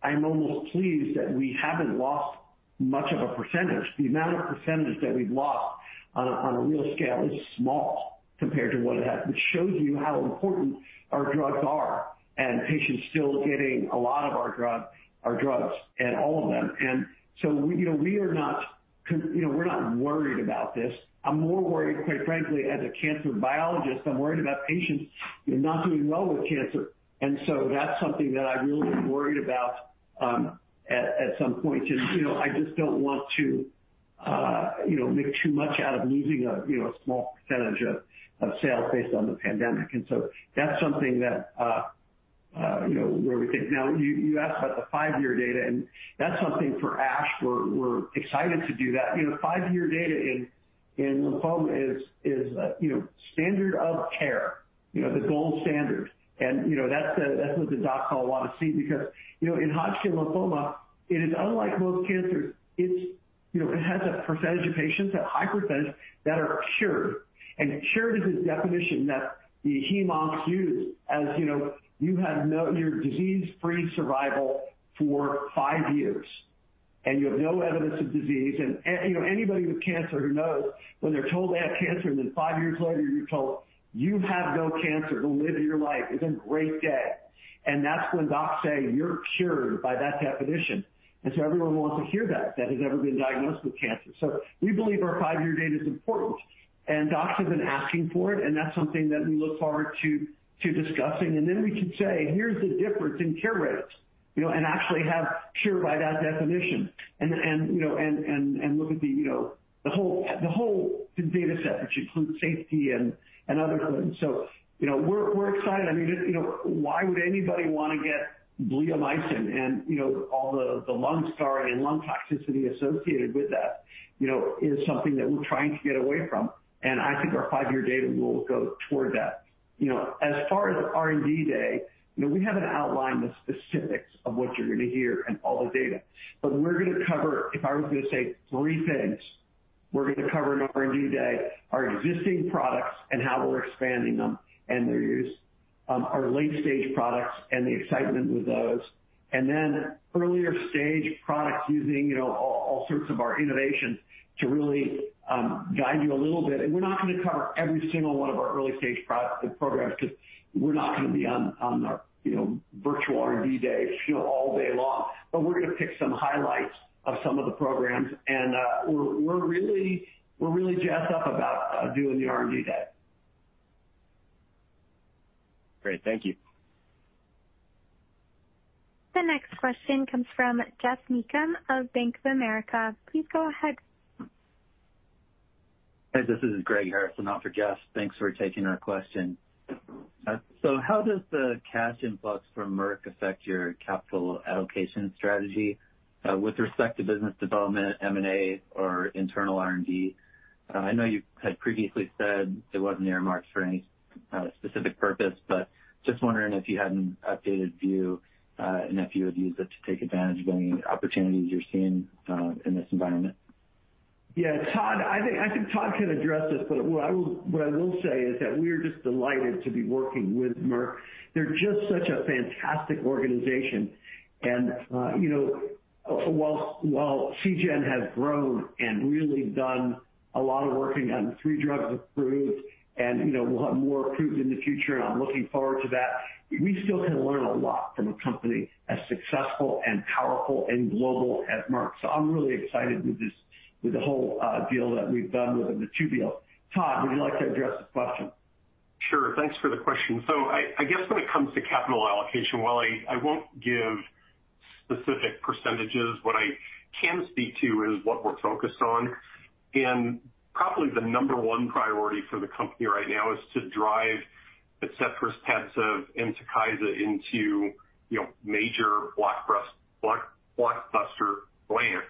am almost pleased that we haven't lost much of a percentage. The amount of percentage that we've lost on a real scale is small compared to what it has. It shows you how important our drugs are, and patients still getting a lot of our drugs and all of them. We're not worried about this. I'm more worried, quite frankly, as a cancer biologist, I'm worried about patients not doing well with cancer. That's something that I really am worried about at some point. I just don't want to make too much out of losing a small percentage of sales based on the pandemic. That's something where we think. Now, you asked about the five-year data, and that's something for ASH, we're excited to do that. Five-year data in lymphoma is standard of care, the gold standard. That's what the docs all want to see, because in Hodgkin lymphoma, it is unlike most cancers. It has a percentage of patients, a high percentage, that are cured. Cured is a definition that the hemoncs use. As you know, you're disease-free survival for five years, and you have no evidence of disease. Anybody with cancer who knows, when they're told they have cancer, and then five years later you're told you have no cancer, go live your life, is a great day. That's when docs say you're cured by that definition. Everyone wants to hear that has ever been diagnosed with cancer. We believe our five-year data is important, and docs have been asking for it, and that's something that we look forward to discussing. We can say, "Here's the difference in cure rates," and actually have cured by that definition. Look at the whole data set, which includes safety and other things. We're excited. Why would anybody want to get bleomycin and all the lung scarring and lung toxicity associated with that, is something that we're trying to get away from. I think our five-year data will go toward that. As far as R&D Day, we haven't outlined the specifics of what you're going to hear and all the data. We're going to cover, if I was going to say three things we're going to cover on R&D Day, our existing products and how we're expanding them and their use. Our late-stage products and the excitement with those. Earlier-stage products using all sorts of our innovations to really guide you a little bit. We're not going to cover every single one of our early-stage programs, because we're not going to be on our virtual R&D Day all day long. We're going to pick some highlights of some of the programs, and we're really jazzed up about doing the R&D Day. Great. Thank you. The next question comes from Geoff Meacham of Bank of America. Please go ahead. Hey, this is Greg Harrison on for Geoff. Thanks for taking our question. How does the cash influx from Merck affect your capital allocation strategy with respect to business development, M&A, or internal R&D? I know you had previously said it wasn't earmarked for any specific purpose, but just wondering if you had an updated view, and if you would use it to take advantage of any opportunities you're seeing in this environment. Yeah, I think Todd can address this, but what I will say is that we're just delighted to be working with Merck. They're just such a fantastic organization. While Seagen has grown and really done a lot of work and had three drugs approved, and we'll have more approved in the future, and I'm looking forward to that. We still can learn a lot from a company as successful and powerful and global as Merck. I'm really excited with the whole deal that we've done with them, the two deals. Todd, would you like to address this question? Sure. Thanks for the question. I guess when it comes to capital allocation, while I won't give specific percentages, what I can speak to is what we're focused on. Probably the number one priority for the company right now is to drive ADCETRIS, PADCEV, and TUKYSA into major blockbuster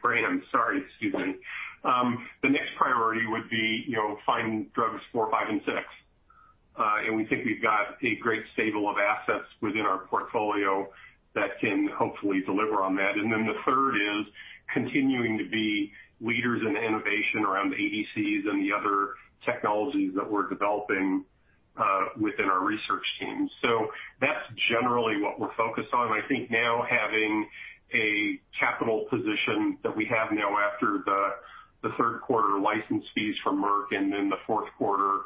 brands. Sorry. Excuse me. The next priority would be finding drugs four, five, and six. We think we've got a great stable of assets within our portfolio that can hopefully deliver on that. The third is continuing to be leaders in innovation around ADCs and the other technologies that we're developing within our research teams. That's generally what we're focused on. I think now having a capital position that we have now after the third quarter license fees from Merck and then the fourth quarter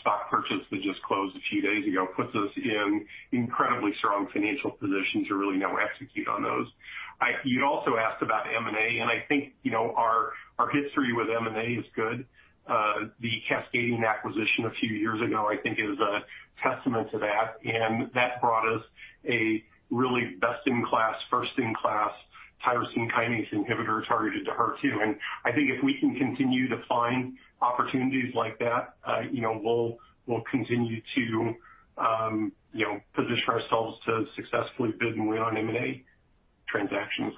stock purchase that just closed a few days ago, puts us in incredibly strong financial position to really now execute on those. You also asked about M&A. I think our history with M&A is good. The Cascadian acquisition a few years ago, I think is a testament to that, and that brought us a really best-in-class, first-in-class tyrosine kinase inhibitor targeted to HER2. I think if we can continue to find opportunities like that, we'll continue to position ourselves to successfully bid and win on M&A transactions.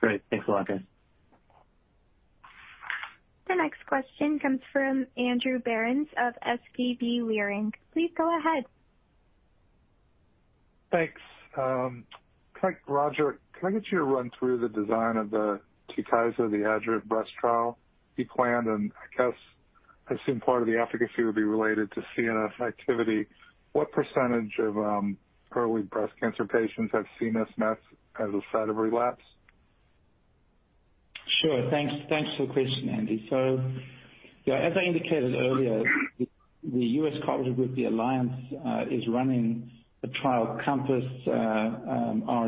Great. Thanks a lot, guys. The next question comes from Andrew Berens of SVB Leerink. Please go ahead. Thanks. Roger, can I get you to run through the design of the TUKYSA, the ADRA breast trial you planned? I guess, I assume part of the efficacy would be related to CNS activity. What percentage of early breast cancer patients have CNS mets as a site of relapse? Thanks for the question, Andy. As I indicated earlier, the U.S. collaborative group, the Alliance, is running the trial CompassHER2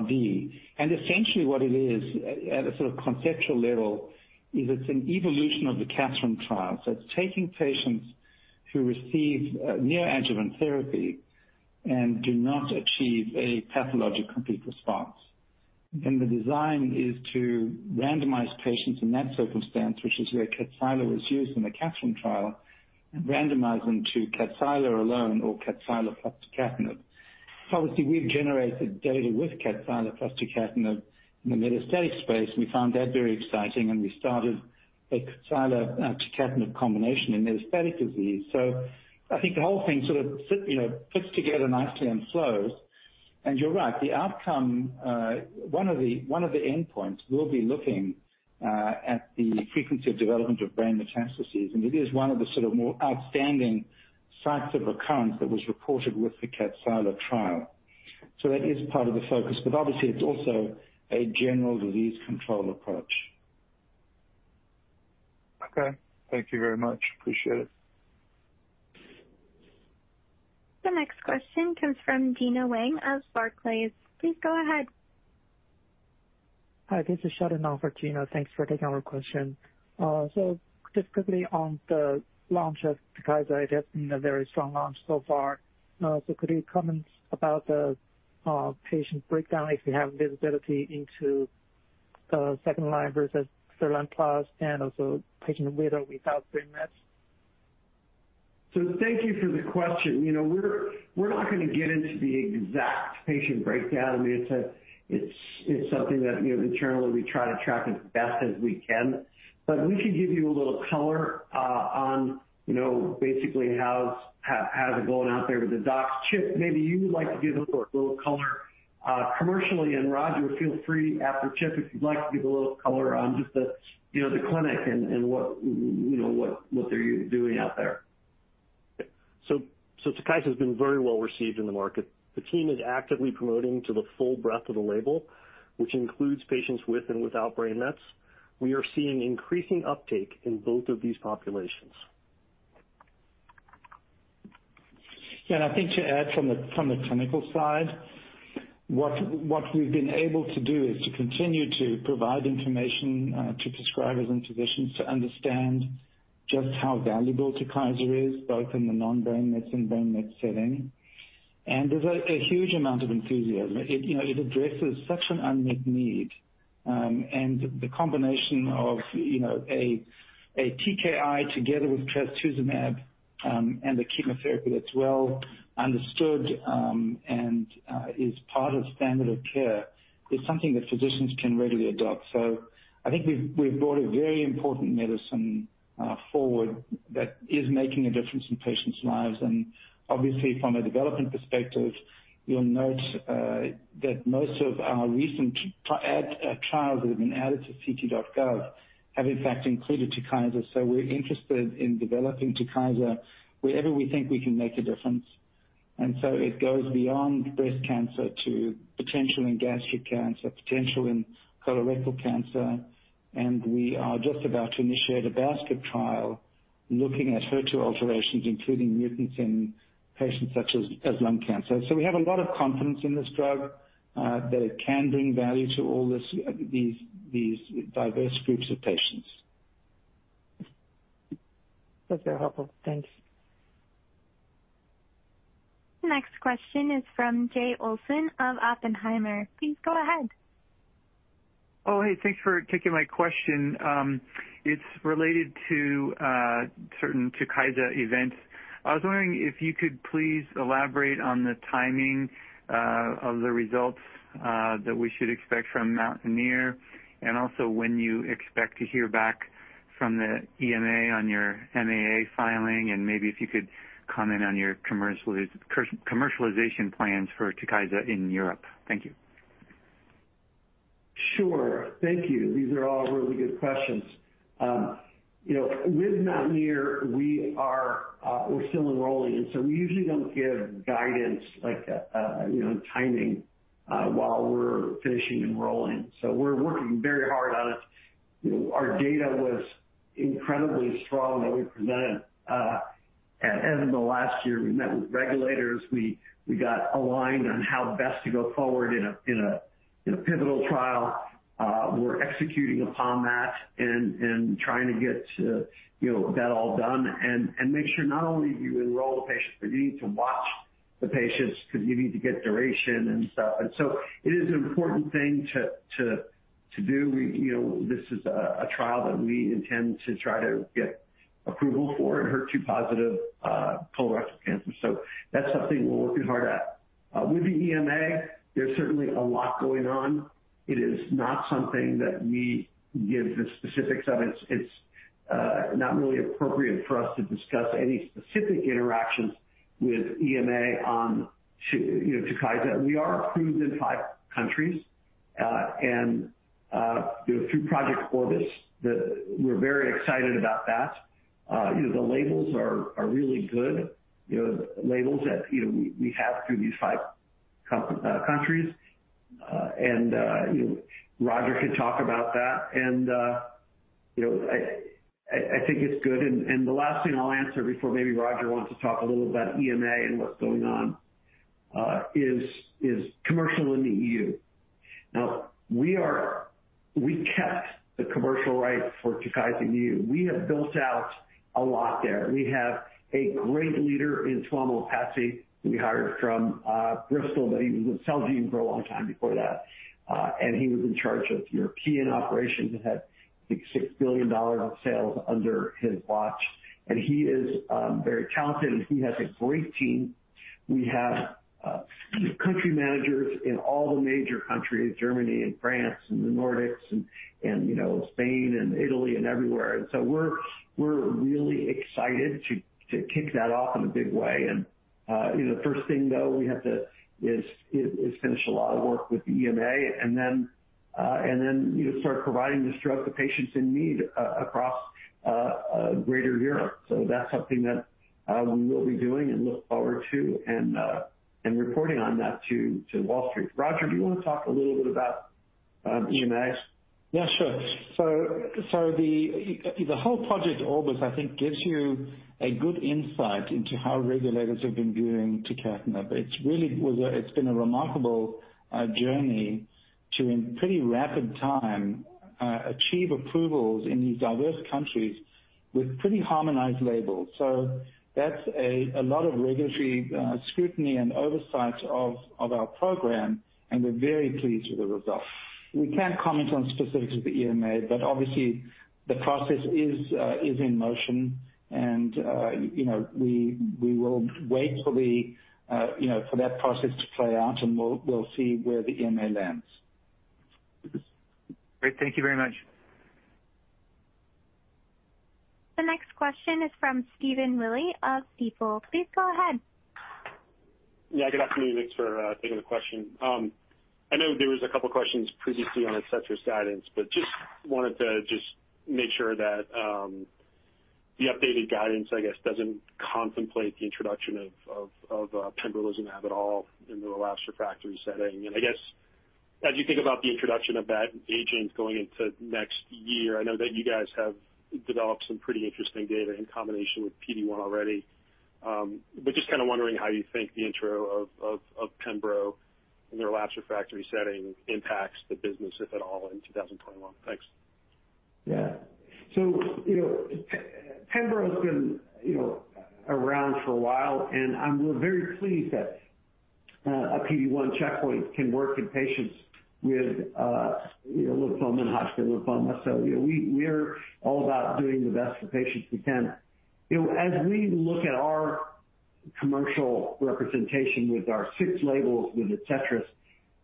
RD. Essentially what it is at a sort of conceptual level is it's an evolution of the KATHERINE trial. It's taking patients who receive neoadjuvant therapy and do not achieve a pathologic complete response. The design is to randomize patients in that circumstance, which is where KADCYLA was used in the KATHERINE trial, and randomize them to KADCYLA alone or KADCYLA plus docetaxel. Obviously, we've generated data with KADCYLA plus docetaxel in the metastatic space, and we found that very exciting, and we started a KADCYLA docetaxel combination in metastatic disease. I think the whole thing sort of fits together nicely and flows. You're right, the outcome, one of the endpoints will be looking at the frequency of development of brain metastases. It is one of the sort of more outstanding signs of occurrence that was reported with the KADCYLA trial. That is part of the focus, but obviously it's also a general disease control approach. Okay. Thank you very much. Appreciate it. The next question comes from Gena Wang of Barclays. Please go ahead. Hi, this is Sheldon, on for Gena. Thanks for taking our question. Just quickly on the launch of TUKYSA. It has been a very strong launch so far. Could you comment about the patient breakdown if you have visibility into 2nd-line versus 3rd-line+ and also patient without brain metastases? Thank you for the question. We're not going to get into the exact patient breakdown. I mean, it's something that internally we try to track as best as we can. We can give you a little color on basically how's it going out there with the docs. Chip, maybe you would like to give us a little color commercially, and Roger, feel free after Chip if you'd like to give a little color on just the clinic and what they're doing out there. TUKYSA has been very well received in the market. The team is actively promoting to the full breadth of the label, which includes patients with and without brain metastases. We are seeing increasing uptake in both of these populations. I think to add from the clinical side, what we've been able to do is to continue to provide information to prescribers and physicians to understand just how valuable TUKYSA is, both in the non-brain mets and brain mets setting. There's a huge amount of enthusiasm. It addresses such an unmet need. The combination of a TKI together with trastuzumab, and a chemotherapy that's well understood, and is part of standard of care, is something that physicians can readily adopt. I think we've brought a very important medicine forward that is making a difference in patients' lives. Obviously from a development perspective, you'll note that most of our recent trials that have been added to ClinicalTrials.gov have in fact included TUKYSA. We're interested in developing TUKYSA wherever we think we can make a difference. It goes beyond breast cancer to potential in gastric cancer, potential in colorectal cancer. We are just about to initiate a basket trial looking at HER2 alterations, including mutants in patients such as lung cancer. We have a lot of confidence in this drug, that it can bring value to all these diverse groups of patients. That's very helpful. Thanks. Next question is from Jay Olson of Oppenheimer. Please go ahead. Oh, hey, thanks for taking my question. It's related to certain TUKYSA events. I was wondering if you could please elaborate on the timing of the results that we should expect from MOUNTAINEER, and also when you expect to hear back from the EMA on your MAA filing, and maybe if you could comment on your commercialization plans for TUKYSA in Europe. Thank you. Sure. Thank you. These are all really good questions. With MOUNTAINEER, we're still enrolling, and so we usually don't give guidance like timing while we're finishing enrolling. We're working very hard on it. Our data was incredibly strong that we presented at the end of the last year. We met with regulators. We got aligned on how best to go forward in a pivotal trial. We're executing upon that and trying to get that all done and make sure not only do you enroll the patients, but you need to watch the patients because you need to get duration and stuff. It is an important thing to do. This is a trial that we intend to try to get approval for in HER2 positive colorectal cancer. That's something we're working hard at. With the EMA, there's certainly a lot going on. It is not something that we give the specifics of. It's not really appropriate for us to discuss any specific interactions with EMA on TUKYSA. We are approved in five countries, and through Project Orbis. We're very excited about that. The labels are really good, labels that we have through these five countries. Roger can talk about that. I think it's good. The last thing I'll answer before maybe Roger wants to talk a little about EMA and what's going on, is commercial in the EU. Now, we kept the commercial rights for TUKYSA in the EU. We have built out a lot there. We have a great leader in Tuomo Pätsi, who we hired from Bristol, but he was with Celgene for a long time before that. He was in charge of European operations and had I think $6 billion of sales under his watch. He is very talented, and he has a great team. We have country managers in all the major countries, Germany and France and the Nordics and Spain and Italy and everywhere. We're really excited to kick that off in a big way. The first thing, though, is finish a lot of work with the EMA and then start providing this drug to patients in need across greater Europe. That's something that we will be doing and look forward to and reporting on that to Wall Street. Roger, do you want to talk a little bit about EMAs? Yeah, sure. The whole Project Orbis, I think, gives you a good insight into how regulators have been viewing TUKYSA. It's been a remarkable journey to, in pretty rapid time, achieve approvals in these diverse countries with pretty harmonized labels. That's a lot of regulatory scrutiny and oversight of our program, and we're very pleased with the results. We can't comment on specifics of the EMA, obviously the process is in motion and we will wait for that process to play out, and we'll see where the EMA lands. Great. Thank you very much. The next question is from Stephen Willey of Stifel. Please go ahead. Yeah. Good afternoon. Thanks for taking the question. I know there was a couple questions previously on ADCETRIS guidance, just wanted to just make sure that the updated guidance, I guess, doesn't contemplate the introduction of pembrolizumab at all in the relapsed refractory setting. I guess as you think about the introduction of that agent going into next year, I know that you guys have developed some pretty interesting data in combination with PD-1 already. Just kind of wondering how you think the intro of pembrolizumab in the relapsed refractory setting impacts the business, if at all, in 2021. Thanks. Yeah. pembrolizumab has been around for a while, and we're very pleased that a PD-1 checkpoint can work in patients with lymphoma and high-grade lymphoma. We're all about doing the best for patients we can. As we look at our commercial representation with our six labels with ADCETRIS,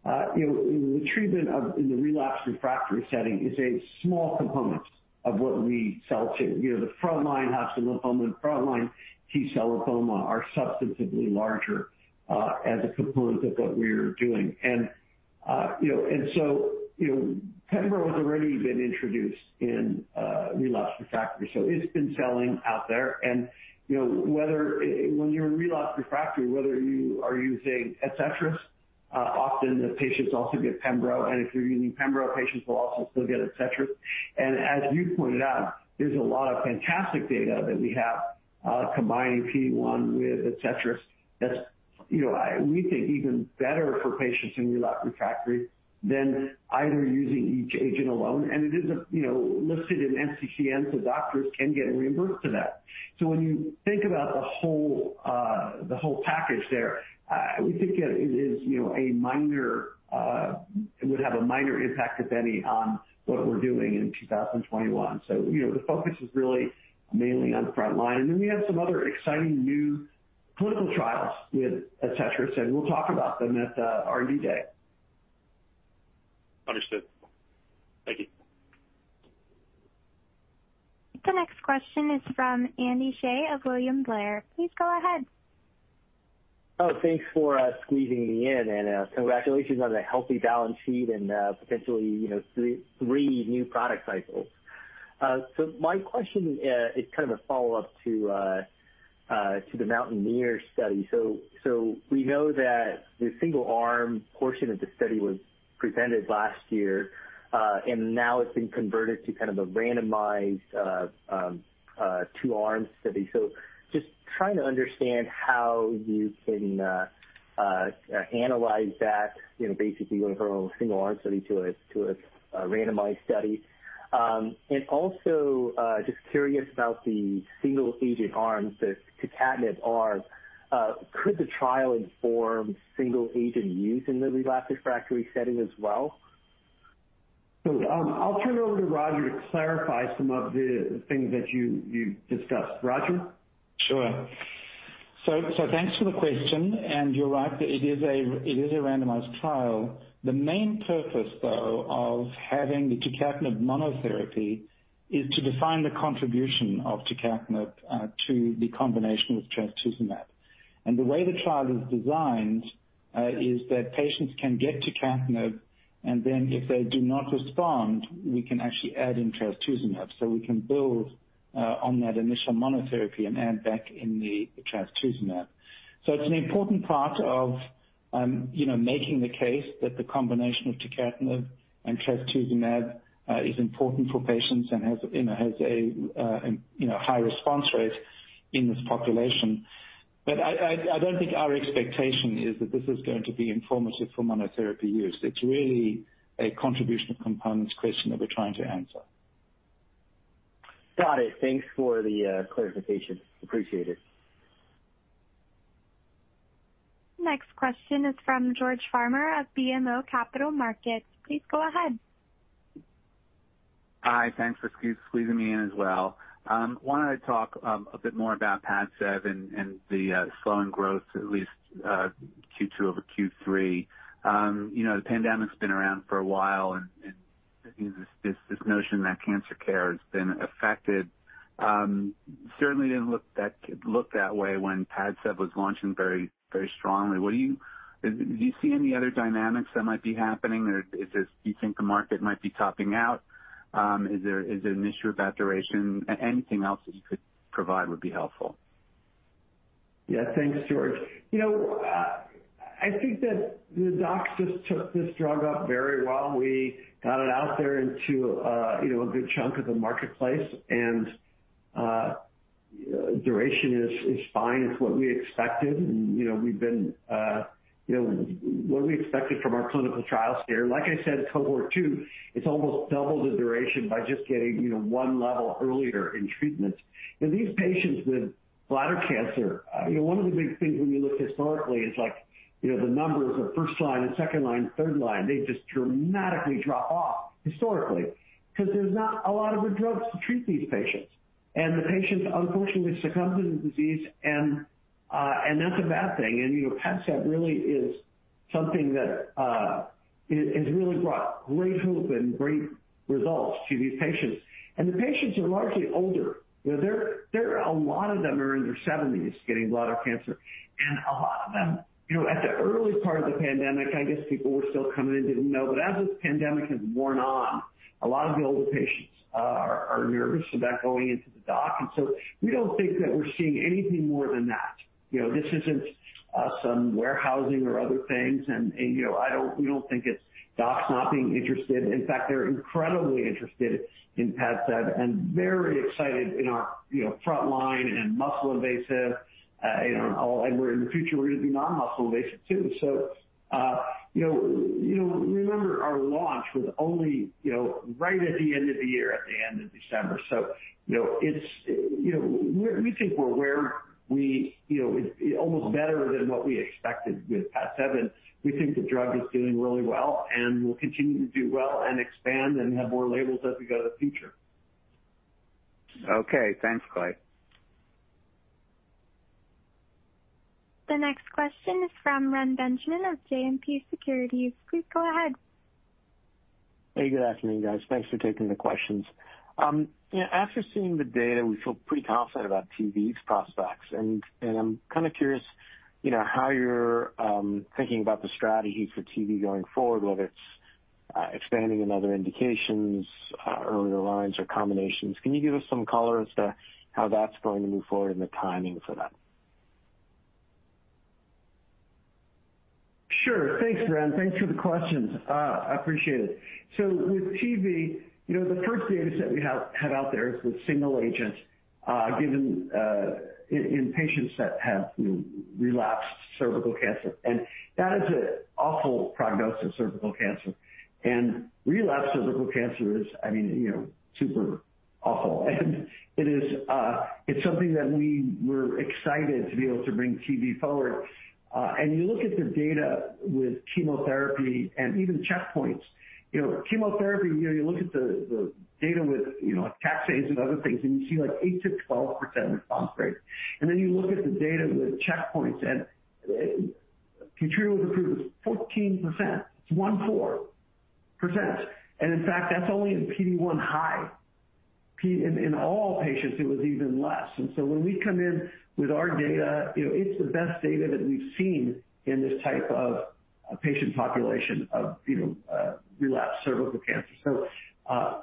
the treatment in the relapsed refractory setting is a small component of what we sell too. The frontline high-grade lymphoma and frontline T-cell lymphoma are substantively larger as a component of what we're doing. pembrolizumab has already been introduced in relapsed refractory, so it's been selling out there. When you're in relapsed refractory, whether you are using ADCETRIS, often the patients also get pembrolizumab. If you're using pembrolizumab, patients will also still get ADCETRIS. As you pointed out, there's a lot of fantastic data that we have combining PD-1 with ADCETRIS that's, we think, even better for patients in relapsed refractory than either using each agent alone. It is listed in NCCN, so doctors can get reimbursed for that. When you think about the whole package there, we think it would have a minor impact, if any, on what we're doing in 2021. The focus is really mainly on frontline. Then we have some other exciting new clinical trials with ADCETRIS, and we'll talk about them at R&D Day. Understood. Thank you. The next question is from Andy Hsieh of William Blair. Please go ahead. Thanks for squeezing me in, congratulations on the healthy balance sheet and potentially three new product cycles. My question is kind of a follow-up to the MOUNTAINEER study. We know that the single-arm portion of the study was presented last year, and now it's been converted to kind of a randomized two-arm study. Just trying to understand how you can analyze that, basically going from a single-arm study to a randomized study. Also just curious about the single-agent arms, the tucatinib arms. Could the trial inform single-agent use in the relapsed refractory setting as well? I'll turn it over to Roger to clarify some of the things that you discussed. Roger? Sure. Thanks for the question, and you're right that it is a randomized trial. The main purpose, though, of having the tucatinib monotherapy is to define the contribution of tucatinib to the combination with trastuzumab. And the way the trial is designed is that patients can get tucatinib, and then if they do not respond, we can actually add in trastuzumab. We can build on that initial monotherapy and add back in the trastuzumab. It's an important part of making the case that the combination of tucatinib and trastuzumab is important for patients and has a high response rate in this population. I don't think our expectation is that this is going to be informative for monotherapy use. It's really a contribution components question that we're trying to answer. Got it. Thanks for the clarification. Appreciate it. Next question is from George Farmer of BMO Capital Markets. Please go ahead. Hi. Thanks for squeezing me in as well. I wanted to talk a bit more about PADCEV and the slowing growth, at least Q2 over Q3. The pandemic's been around for a while, and I think this notion that cancer care has been affected. Certainly didn't look that way when PADCEV was launching very strongly. Do you see any other dynamics that might be happening, or do you think the market might be topping out? Is there an issue about duration? Anything else that you could provide would be helpful. Thanks, George. I think that the docs just took this drug up very well. We got it out there into a good chunk of the marketplace, and duration is fine. It's what we expected from our clinical trials here. Like I said, Cohort 2, it's almost double the duration by just getting one level earlier in treatment. These patients with bladder cancer, one of the big things when you look historically is the numbers of 1st line and 2nd line, 3rd line, they just dramatically drop off historically, because there's not a lot of good drugs to treat these patients. The patients unfortunately succumb to the disease, and that's a bad thing. PADCEV really is something that has really brought great hope and great results to these patients. The patients are largely older. A lot of them are in their 70s getting bladder cancer. At the early part of the pandemic, I guess people were still coming in, didn't know, but as this pandemic has worn on, a lot of the older patients are nervous about going into the doc. We don't think that we're seeing anything more than that. This isn't some warehousing or other things, and we don't think it's docs not being interested. In fact, they're incredibly interested in PADCEV and very excited in our frontline and muscle-invasive, and in the future, we're going to be non-muscle-invasive too. Remember our launch was only right at the end of the year, at the end of December. We think we're where we almost better than what we expected with PADCEV, and we think the drug is doing really well and will continue to do well and expand and have more labels as we go to the future. Okay. Thanks, Clay. The next question is from Reni Benjamin of JMP Securities. Please go ahead. Hey, good afternoon, guys. Thanks for taking the questions. After seeing the data, we feel pretty confident about TV's prospects, and I'm kind of curious how you're thinking about the strategy for TV going forward, whether it's expanding in other indications, earlier lines, or combinations. Can you give us some color as to how that's going to move forward and the timing for that? Sure. Thanks, Reni. Thanks for the questions. I appreciate it. With TV, the first data set we have had out there is with single agent, given in patients that have relapsed cervical cancer. That is a awful prognosis, cervical cancer. Relapsed cervical cancer is super awful. It's something that we were excited to be able to bring TV forward. You look at the data with chemotherapy and even checkpoints. Chemotherapy, you look at the data with cachexia and other things, and you see 8%-12% response rates. You look at the data with checkpoints, and KEYTRUDA was approved was 14%. It's 14%. In fact, that's only in PD-1 high. In all patients, it was even less. When we come in with our data, it's the best data that we've seen in this type of patient population of relapsed cervical cancer.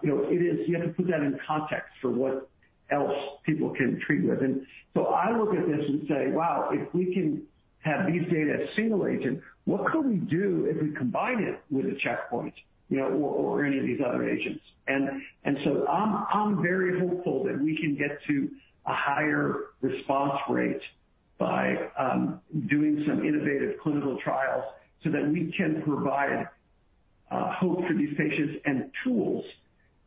You have to put that in context for what else people can treat with. I look at this and say, "Wow. If we can have these data as single agent, what could we do if we combine it with a checkpoint or any of these other agents?" I'm very hopeful that we can get to a higher response rate by doing some innovative clinical trials so that we can provide hope for these patients and tools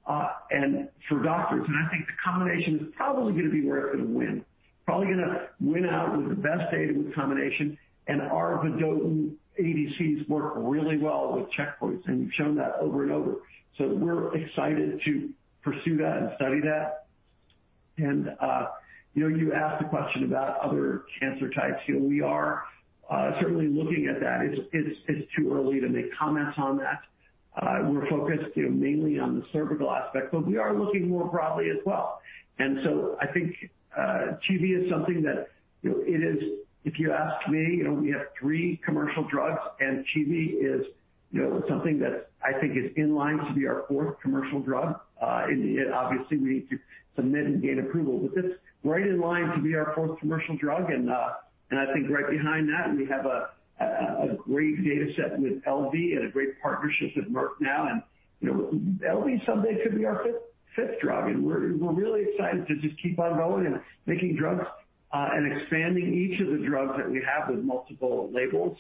for doctors. I think the combination is probably going to be where it's going to win. Probably going to win out with the best data with combination. Our vedotin ADCs work really well with checkpoints, and we've shown that over and over. We're excited to pursue that and study that. You asked a question about other cancer types. We are certainly looking at that. It's too early to make comments on that. We're focused mainly on the cervical aspect, but we are looking more broadly as well. I think TV is something that, if you ask me, we have three commercial drugs, and TV is something that I think is in line to be our fourth commercial drug. Obviously, we need to submit and gain approval, but it's right in line to be our fourth commercial drug. I think right behind that, we have a great data set with LV and a great partnership with Merck now, and LV someday could be our fifth drug. We're really excited to just keep on rolling and making drugs, and expanding each of the drugs that we have with multiple labels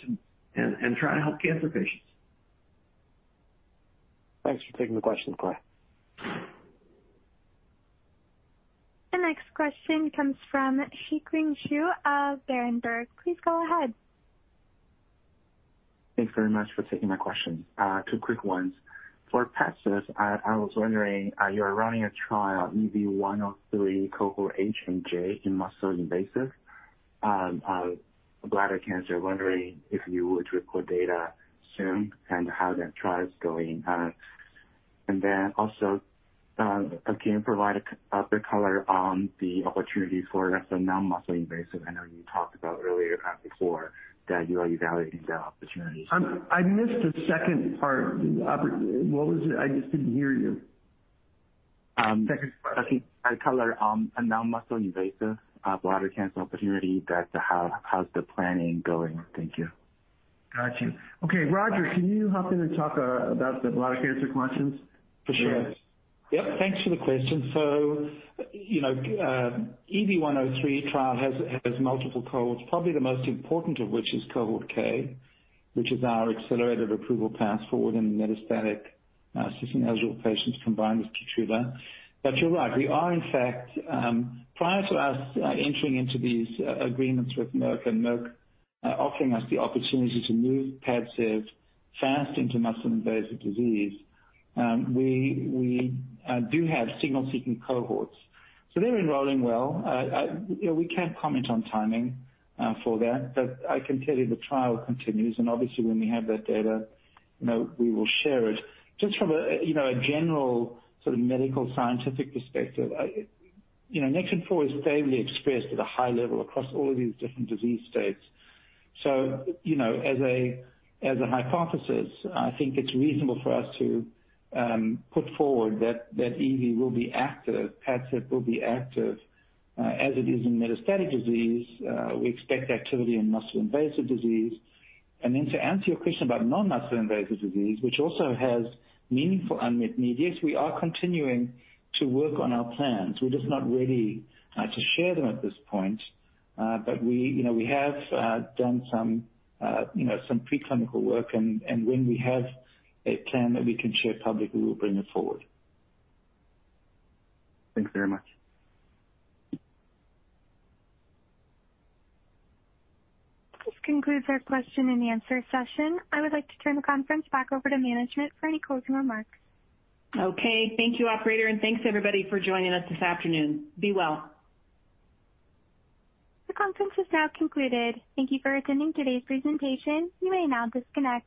and try to help cancer patients. Thanks for taking the question, Clay. The next question comes from Zhiqiang Shu of Berenberg. Please go ahead. Thanks very much for taking my question. Two quick ones. For PADCEV, I was wondering, you're running a trial EV-103 Cohort H and J in muscle-invasive bladder cancer. Wondering if you would report data soon and how that trial is going. Also, can you provide other color on the opportunity for the non-muscle invasive? I know you talked about earlier before that you are evaluating that opportunity. I missed the second part. What was it? I just didn't hear you. Second question. I think I color on non-muscle-invasive bladder cancer opportunity that how's the planning going? Thank you. Got you. Okay, Roger, can you hop in and talk about the bladder cancer questions? For sure. Yep, thanks for the question. EV-103 trial has multiple cohorts, probably the most important of which is Cohort K, which is our accelerated approval path forward in metastatic-eligible patients combined with KEYTRUDA. You're right, we are in fact, prior to us entering into these agreements with [Merck, and Merck] offering us the opportunity to move PADCEV fast into muscle-invasive disease, we do have signal-seeking cohorts. They're enrolling well. We can't comment on timing for that, but I can tell you the trial continues, and obviously when we have that data, we will share it. Just from a general sort of medical scientific perspective, Nectin-4 is fairly expressed at a high level across all of these different disease states. As a hypothesis, I think it's reasonable for us to put forward that EV will be active, PADCEV will be active, as it is in metastatic disease. We expect activity in muscle-invasive disease. To answer your question about non-muscle invasive disease, which also has meaningful unmet need, yes, we are continuing to work on our plans. We're just not ready to share them at this point. We have done some preclinical work, and when we have a plan that we can share publicly, we will bring it forward. Thanks very much. This concludes our question and answer session. I would like to turn the conference back over to management for any closing remarks. Okay. Thank you, operator, thanks everybody for joining us this afternoon. Be well. The conference is now concluded. Thank you for attending today's presentation. You may now disconnect.